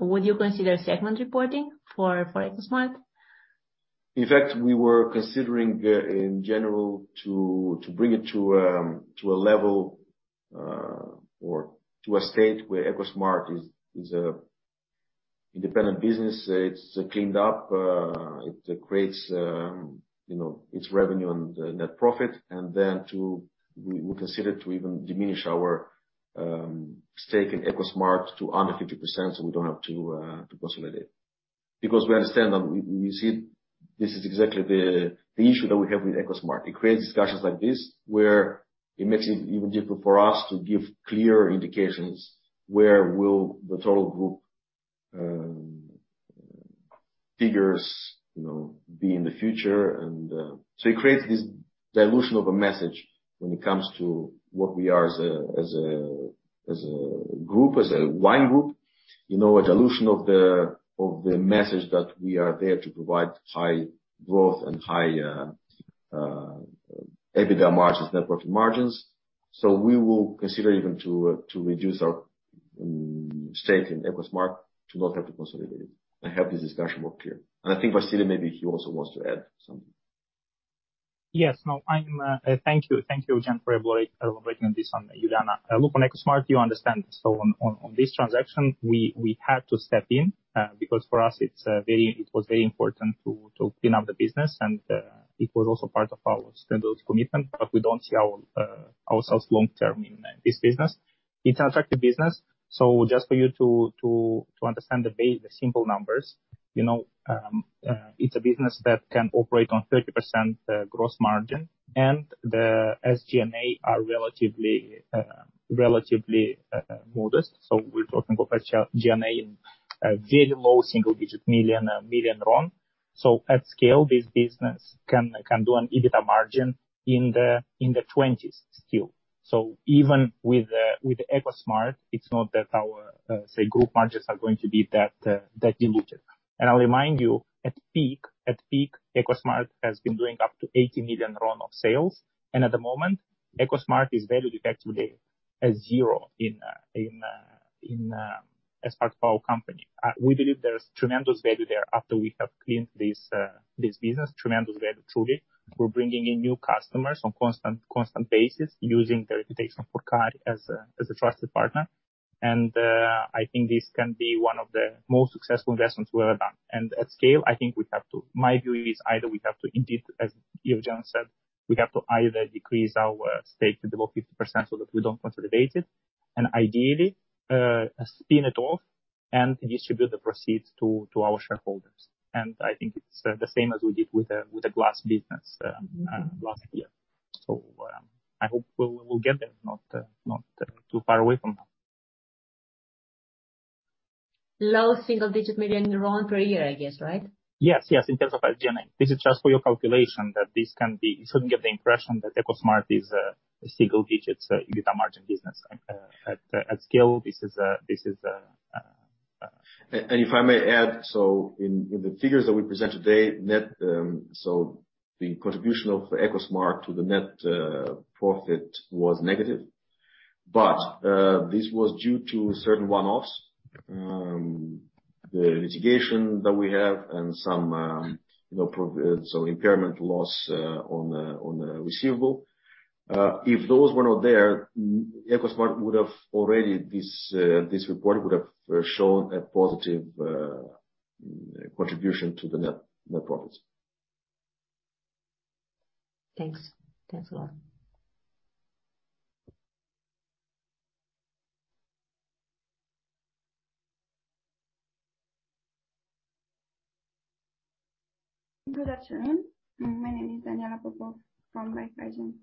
Would you consider segment reporting for Ecosmart? In fact, we were considering in general to bring it to a level or to a state where Ecosmart is a independent business. It's cleaned up, it creates you know its revenue and net profit, and then we consider to even diminish our stake in Ecosmart to under 50% so we don't have to consolidate. Because we understand that we see this is exactly the issue that we have with Ecosmart. It creates discussions like this where it makes it even difficult for us to give clear indications where will the total group figures you know be in the future. It creates this dilution of a message when it comes to what we are as a group, as a wine group. You know, a dilution of the message that we are there to provide high growth and high EBITDA margins, net profit margins. We will consider even to reduce our stake in Ecosmart to not have to consolidate it and have this discussion more clear. I think Vasile, maybe he also wants to add something. Yes. No, I'm. Thank you again for elaborating on this on Uliana. Look, on Ecosmart, you understand. On this transaction, we had to step in because for us it's very important to clean up the business and it was also part of our standards commitment, but we don't see ourselves long-term in this business. It's an attractive business, so just for you to understand the simple numbers, you know, it's a business that can operate on 30% gross margin, and the SG&A are relatively modest. We're talking about a G&A in a very low single-digit million RON. At scale, this business can do an EBITDA margin in the 20s still. Even with Ecosmart, it's not that our, say, group margins are going to be that diluted. I'll remind you, at peak, Ecosmart has been doing up to RON 80 million of sales, and at the moment, Ecosmart is valued effectively as zero as part of our company. We believe there's tremendous value there after we have cleaned this business. Tremendous value, truly. We're bringing in new customers on constant basis using the reputation of Purcari as a trusted partner. I think this can be one of the most successful investments we've ever done. At scale, I think my view is either we have to indeed, as Eugen said, decrease our stake to below 50% so that we don't consolidate it, and ideally, spin it off and distribute the proceeds to our shareholders. I think it's the same as we did with the glass business last year. I hope we'll get there. Not too far away from now. Low single-digit million RON per year, I guess, right? In terms of SG&A. This is just for your calculation, that this can be. You shouldn't get the impression that Ecosmart is a single digit EBITDA margin business. At scale, this is. If I may add, in the figures that we present today, the contribution of Ecosmart to the net profit was negative. This was due to certain one-offs. The litigation that we have and some, you know, some impairment loss on a receivable. If those were not there, Ecosmart would have already, this report would have shown a positive contribution to the net profits. Thanks. Thanks a lot. Good afternoon. My name is Daniela Popov from Horizon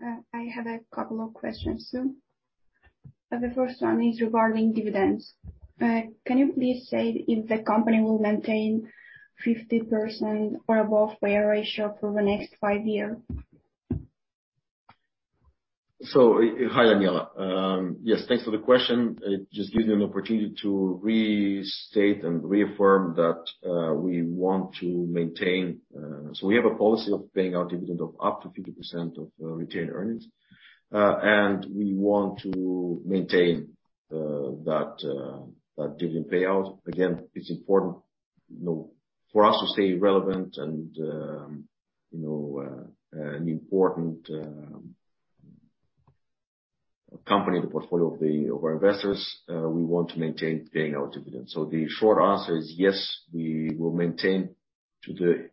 Capital. I have a couple of questions. The first one is regarding dividends. Can you please say if the company will maintain 50% or above payout ratio for the next five year? Hi, Daniela. Yes, thanks for the question. It just gives me an opportunity to restate and reaffirm that we want to maintain. We have a policy of paying out dividend of up to 50% of retained earnings. And we want to maintain that dividend payout. Again, it's important, you know, for us to stay relevant and you know an important company in the portfolio of our investors, we want to maintain paying our dividends. The short answer is yes, we will maintain to the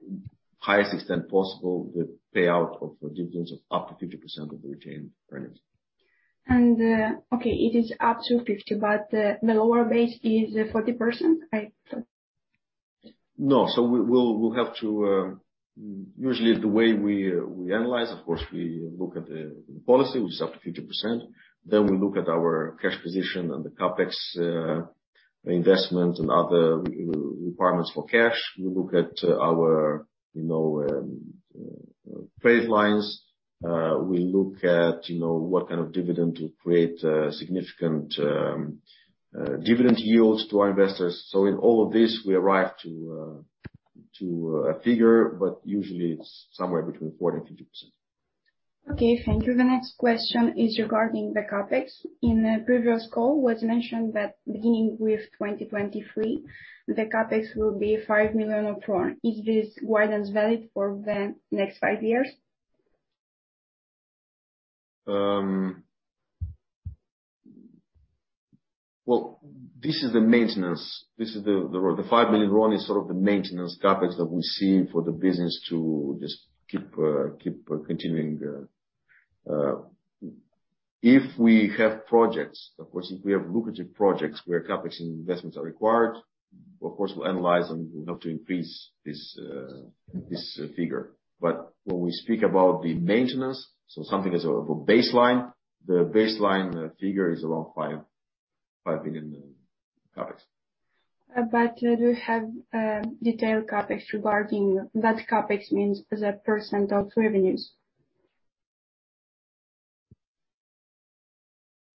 highest extent possible the payout of dividends of up to 50% of the retained earnings. Okay, it is up to 50, but the lower base is 40%, right? No. We'll have to. Usually the way we analyze, of course, we look at the policy, which is up to 50%, then we look at our cash position and the CapEx investment and other requirements for cash. We look at our, you know, trade lines. We look at, you know, what kind of dividend will create a significant dividend yield to our investors. In all of this, we arrive to a figure, but usually it's somewhere between 40%-50%. Okay, thank you. The next question is regarding the CapEx. In a previous call was mentioned that beginning with 2023, the CapEx will be RON 5 million. Is this guidance valid for the next five years? Well, this is the maintenance. The RON 5 million is sort of the maintenance CapEx that we see for the business to just keep continuing. If we have projects, of course, if we have lucrative projects where CapEx investments are required, of course, we'll analyze and we'll have to increase this figure. When we speak about the maintenance, something as a baseline, the baseline figure is around RON 5 million in CapEx. Do you have detailed CapEx regarding what CapEx means as a % of revenues?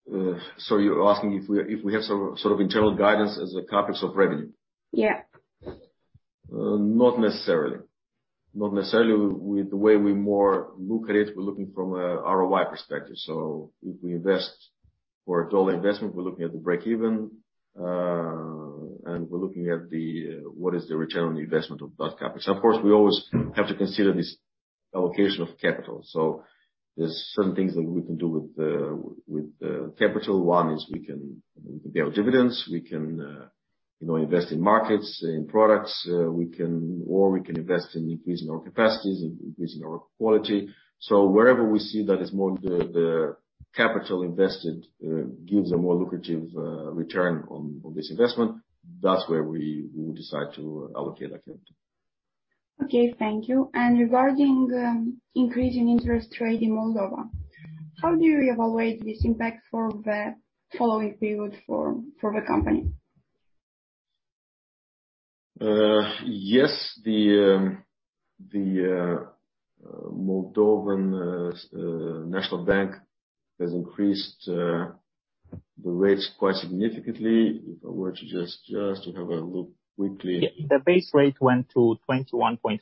You're asking if we have some sort of internal guidance as a CapEx of revenue? Yeah. Not necessarily. Not necessarily with the way we more look at it, we're looking from a ROI perspective. If we invest for a total investment, we're looking at the break-even, and we're looking at the what is the return on investment of that CapEx. Of course, we always have to consider this allocation of capital. There's some things that we can do with the capital. One is we can build dividends, we can, you know, invest in markets, in products, or we can invest in increasing our capacities, in increasing our quality. Wherever we see that is more the capital invested gives a more lucrative return on this investment, that's where we will decide to allocate that capital. Okay, thank you. Regarding increase in interest rate in Moldova, how do you evaluate this impact for the following period for the company? Yes. The National Bank of Moldova has increased the rates quite significantly. If I were to just to have a look quickly. Yeah. The base rate went to 21.5%,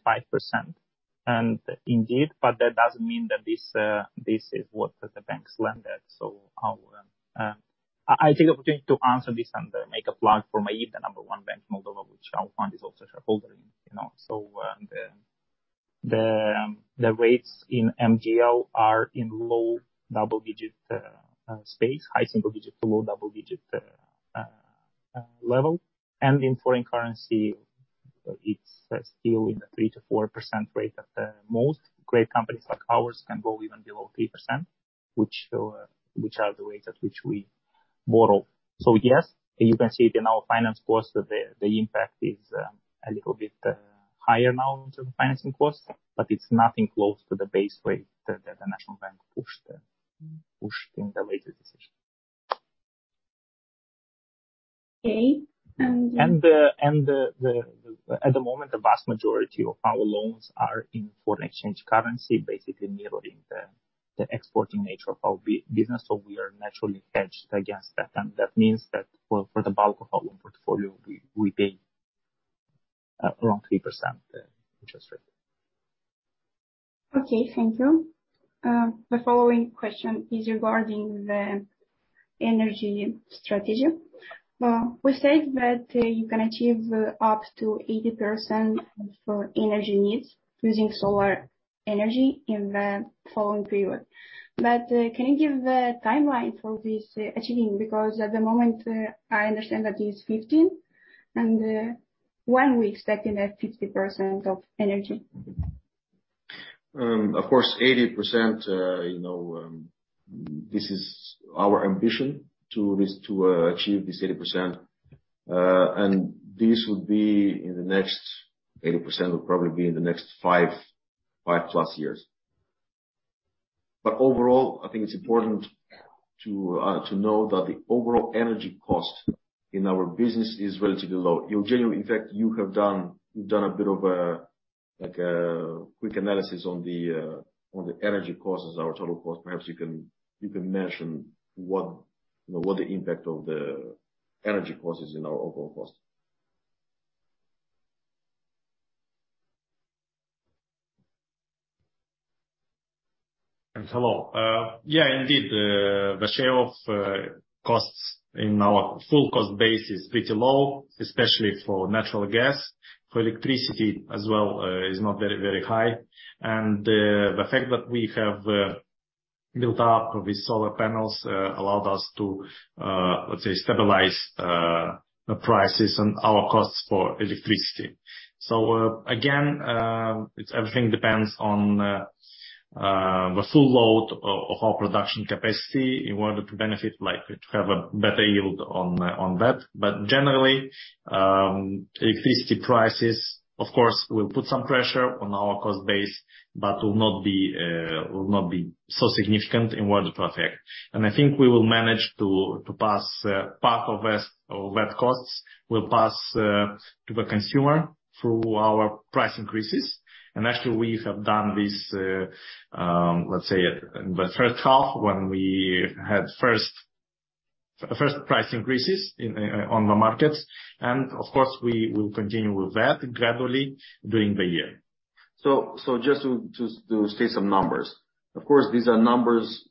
and indeed, but that doesn't mean that this is what the banks lend at. I'll take opportunity to answer this and make a plug for MAIB, the number one bank in Moldova, which Alfond is also a shareholder in, you know. The rates in MDL are in low double digit space, high single digit to low double digit level. In foreign currency, it's still in the 3%-4% rate at the most. Great companies like ours can go even below 3%, which are the rates at which we borrow. Yes, you can see it in our finance cost, the impact is a little bit higher now in terms of financing costs, but it's nothing close to the base rate that the National Bank pushed in the latest decision. Okay. At the moment, the vast majority of our loans are in foreign exchange currency, basically mirroring the exporting nature of our business, so we are naturally hedged against that. That means that, well, for the bulk of our loan portfolio, we pay around 3% interest rate. Okay, thank you. My following question is regarding the energy strategy. We said that you can achieve up to 80% of energy needs using solar energy in the following period. Can you give the timeline for this achieving? Because at the moment, I understand that it is 15%, and when we expecting that 50% of energy? Of course, 80%, you know, this is our ambition to achieve this 80%. This would be in the next 80% will probably be in the next five plus years. Overall, I think it's important to know that the overall energy cost in our business is relatively low. Eugeniu, in fact, you've done a bit of a, like a quick analysis on the energy costs as our total cost. Perhaps you can mention what, you know, what the impact of the energy cost is in our overall cost. Hello. Yeah, indeed. The share of costs in our full cost base is pretty low, especially for natural gas. For electricity as well, is not very, very high. The fact that we have built up with solar panels allowed us to, let's say, stabilize the prices and our costs for electricity. Again, it's everything depends on the full load of our production capacity in order to benefit, like to have a better yield on that. But generally, electricity prices, of course, will put some pressure on our cost base, but will not be so significant in order to affect. I think we will manage to pass part of this, of that costs, we'll pass to the consumer through our price increases. Actually, we have done this, let's say in the first half when we had first price increases in on the markets. Of course, we will continue with that gradually during the year. Just to state some numbers. Of course, these are numbers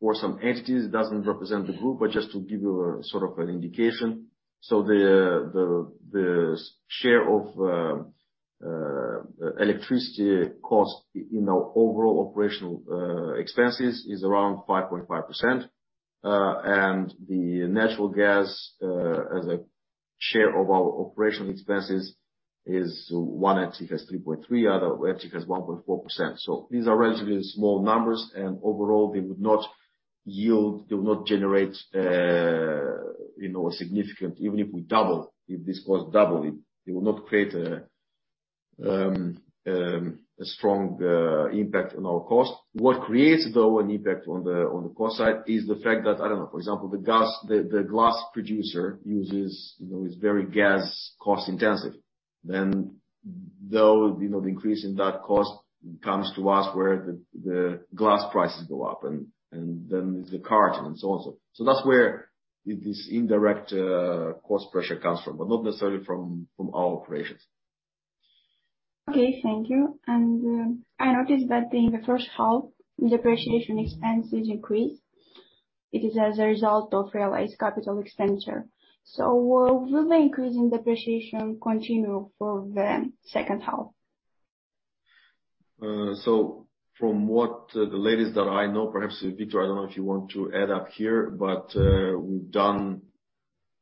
for some entities, it doesn't represent the group, but just to give you a sort of an indication. The share of electricity cost in our overall operational expenses is around 5.5%. And the natural gas as a share of our operational expenses is, one entity has 3.3%, other entity has 1.4%. These are relatively small numbers, and overall, they would not yield, they will not generate a significant even if we double, if this cost double, it will not create a strong impact on our cost. What creates though an impact on the cost side is the fact that, I don't know, for example, the gas the glass producer uses, you know, is very gas cost intensive. Though, you know, the increase in that cost comes to us where the glass prices go up, and then the carton, and so on, so. So that's where this indirect cost pressure comes from, but not necessarily from our operations. Okay, thank you. I noticed that in the first half, depreciation expenses increased. It is as a result of realized capital expenditure. Will the increase in depreciation continue for the second half? From the latest that I know, perhaps Victor, I don't know if you want to add up here, but we've done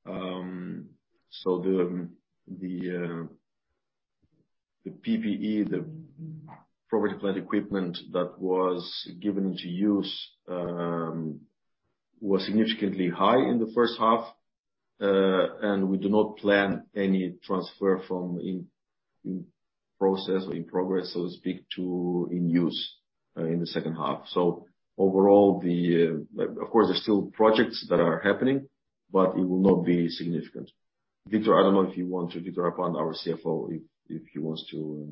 the PPE, the property, plant and equipment that was given to us, was significantly high in the first half. We do not plan any transfer from in process or in progress, so to speak, to in use in the second half. Overall, like, of course there's still projects that are happening, but it will not be significant. Victor, I don't know if you want to, Victor Arapan, our CFO, if he wants to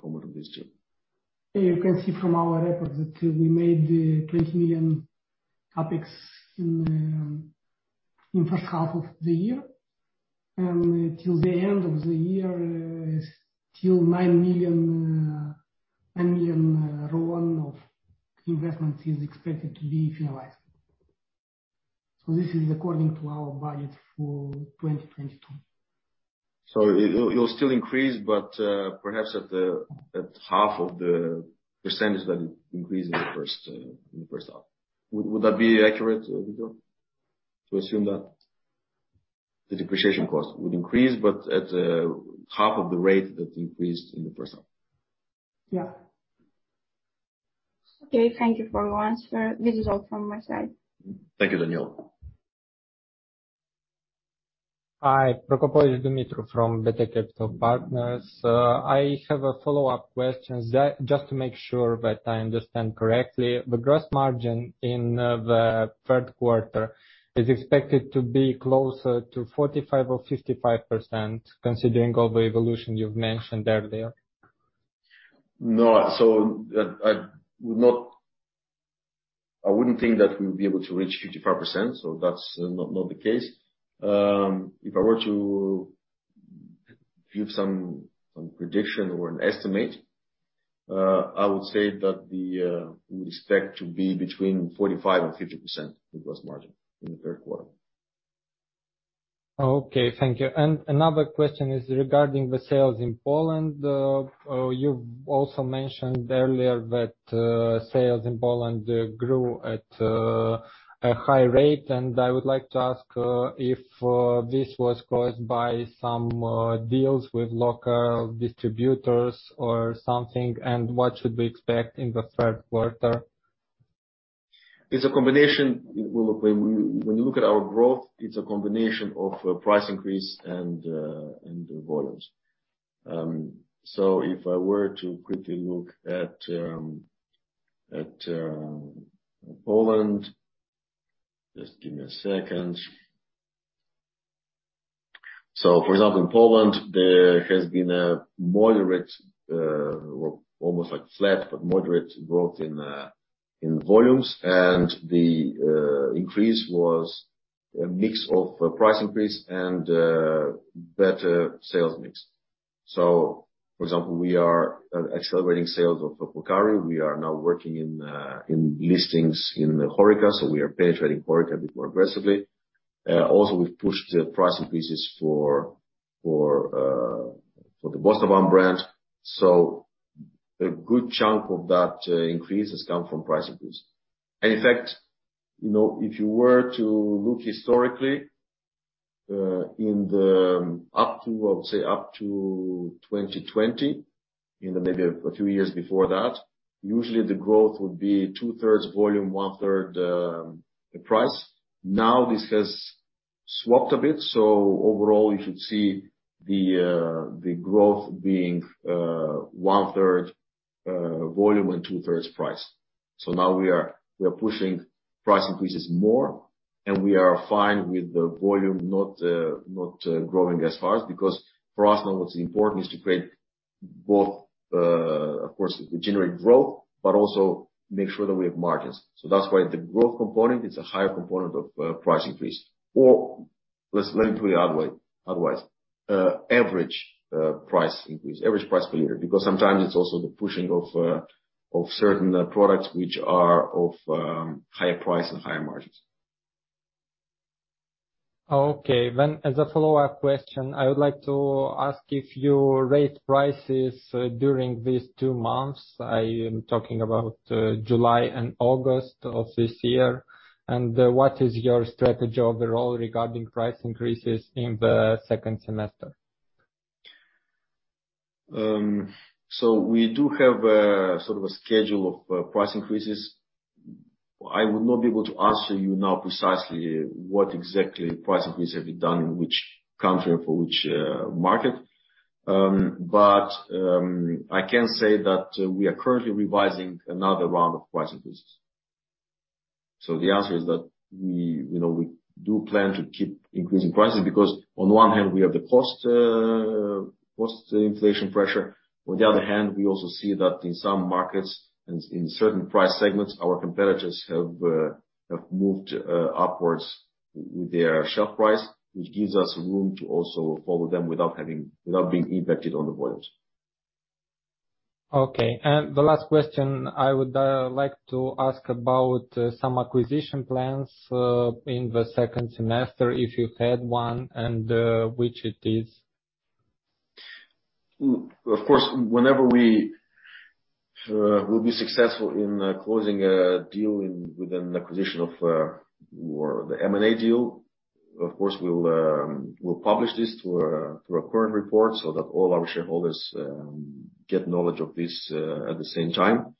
comment on this too. You can see from our records that we made RON 20 million CapEx in the first half of the year. Till the end of the year, RON 9 million of investments is expected to be finalized. This is according to our budget for 2022. It'll still increase, but perhaps at half of the percentage that it increased in the first half. Would that be accurate, Victor? To assume that the depreciation cost would increase but at half of the rate that increased in the first half. Yeah. Okay, thank you for your answer. This is all from my side. Thank you, Daniela. Hi. Dumitru Procopovici from BT Capital Partners. I have a follow-up question. Is that just to make sure that I understand correctly, the gross margin in the third quarter is expected to be closer to 45% or 55% considering all the evolution you've mentioned earlier? No. I wouldn't think that we would be able to reach 55%, so that's not the case. If I were to give some prediction or an estimate, I would say that we would expect to be between 45% and 50% in gross margin in the third quarter. Okay, thank you. Another question is regarding the sales in Poland. You've also mentioned earlier that sales in Poland grew at a high rate, and I would like to ask if this was caused by some deals with local distributors or something, and what should we expect in the third quarter? It's a combination. When you look at our growth, it's a combination of price increase and volumes. If I were to quickly look at Poland, just give me a second. For example, in Poland there has been a moderate or almost like flat but moderate growth in volumes. The increase was a mix of price increase and better sales mix. For example, we are accelerating sales of Purcari. We are now working in listings in HoReCa, so we are penetrating HoReCa a bit more aggressively. Also we've pushed the price increases for the Bostavan brand. A good chunk of that increase has come from price increase. In fact, you know, if you were to look historically up to, I would say, up to 2020, and then maybe a few years before that, usually the growth would be two-thirds volume, one-third price. Now this has swapped a bit, so overall you should see the growth being one-third volume and two-thirds price. Now we are pushing price increases more, and we are fine with the volume not growing as fast because for us now what's important is to create both, of course, generate growth but also make sure that we have margins. That's why the growth component is a higher component of price increase. Let me put it another way, otherwise. Average price increase, average price per liter, because sometimes it's also the pushing of certain products which are of higher price and higher margins. Okay. As a follow-up question, I would like to ask if you raised prices during these two months, I am talking about July and August of this year, and what is your strategy overall regarding price increases in the second semester? We do have a sort of a schedule of price increases. I would not be able to answer you now precisely what exactly price increases have we done in which country and for which market. But I can say that we are currently revising another round of price increases. The answer is that we, you know, we do plan to keep increasing prices, because on one hand, we have the cost inflation pressure. On the other hand, we also see that in some markets and in certain price segments, our competitors have moved upwards with their shelf price, which gives us room to also follow them without being impacted on the volumes. Okay. The last question I would like to ask about some acquisition plans in the second semester, if you had one, and which it is. Of course, whenever we will be successful in closing a deal within the acquisition of or the M&A deal, of course we'll publish this through a current report so that all our shareholders get knowledge of this at the same time.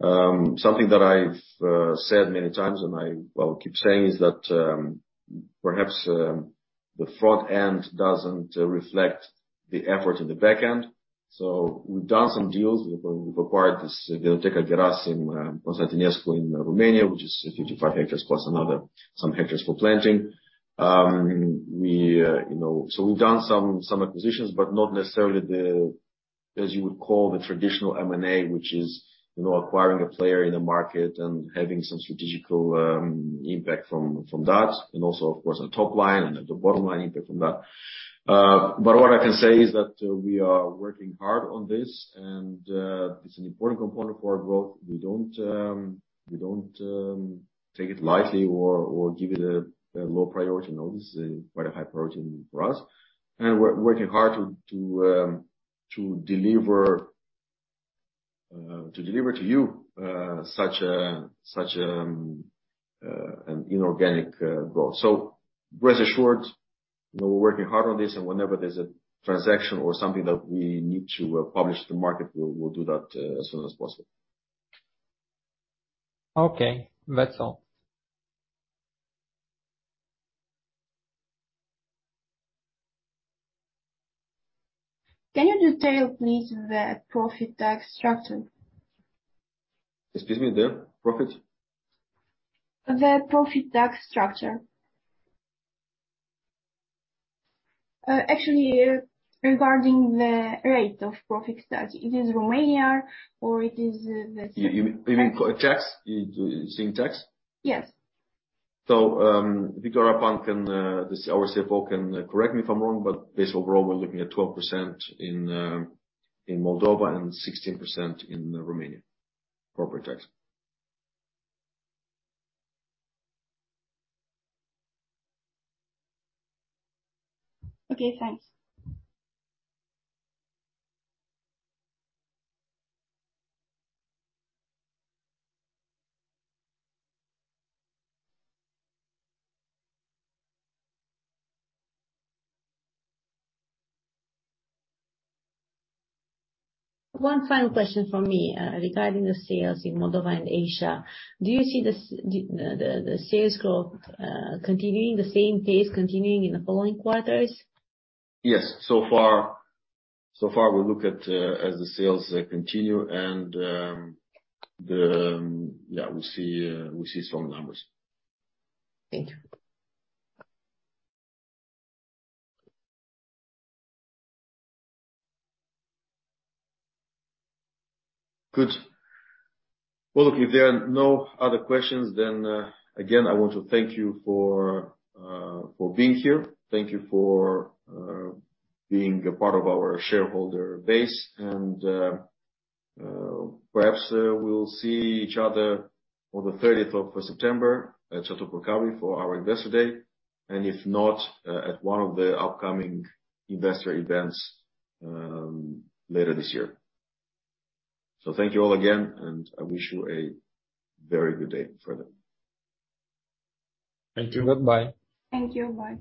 Something that I've said many times and I well keep saying is that perhaps the front end doesn't reflect the effort in the back end. We've done some deals. We've acquired this Vinoteca Gherasim Constantinescu in Constanța, Romania, which is 55 hectares plus another some hectares for planting. We've done some acquisitions, but not necessarily the as you would call the traditional M&A, which is acquiring a player in the market and having some strategic impact from that. Also, of course, the top line and the bottom line impact from that. What I can say is that we are working hard on this and it's an important component for our growth. We don't take it lightly or give it a low priority. No. This is quite a high priority for us. We're working hard to deliver to you such an inorganic growth. Rest assured, you know, we're working hard on this, and whenever there's a transaction or something that we need to publish to the market, we'll do that as soon as possible. Okay. That's all. Can you detail please the profit tax structure? Excuse me. The profit? The profit tax structure. Actually regarding the rate of profit tax. It is Romania or it is the. You mean tax? You're saying tax? Yes. Victor Arapan, our CFO, can correct me if I'm wrong, but this overall we're looking at 12% in Moldova and 16% in Romania, corporate tax. Okay, thanks. One final question from me, regarding the sales in Moldova and Asia. Do you see the sales growth continuing the same pace in the following quarters? Yes. So far, as the sales continue, yeah, we see strong numbers. Thank you. Good. Well, look, if there are no other questions, then, again, I want to thank you for being here. Thank you for being a part of our shareholder base. Perhaps we'll see each other on the thirtieth of September at 5-12 for our Investor Day. If not, at one of the upcoming investor events, later this year. Thank you all again, and I wish you a very good day further. Thank you. Goodbye. Thank you. Bye.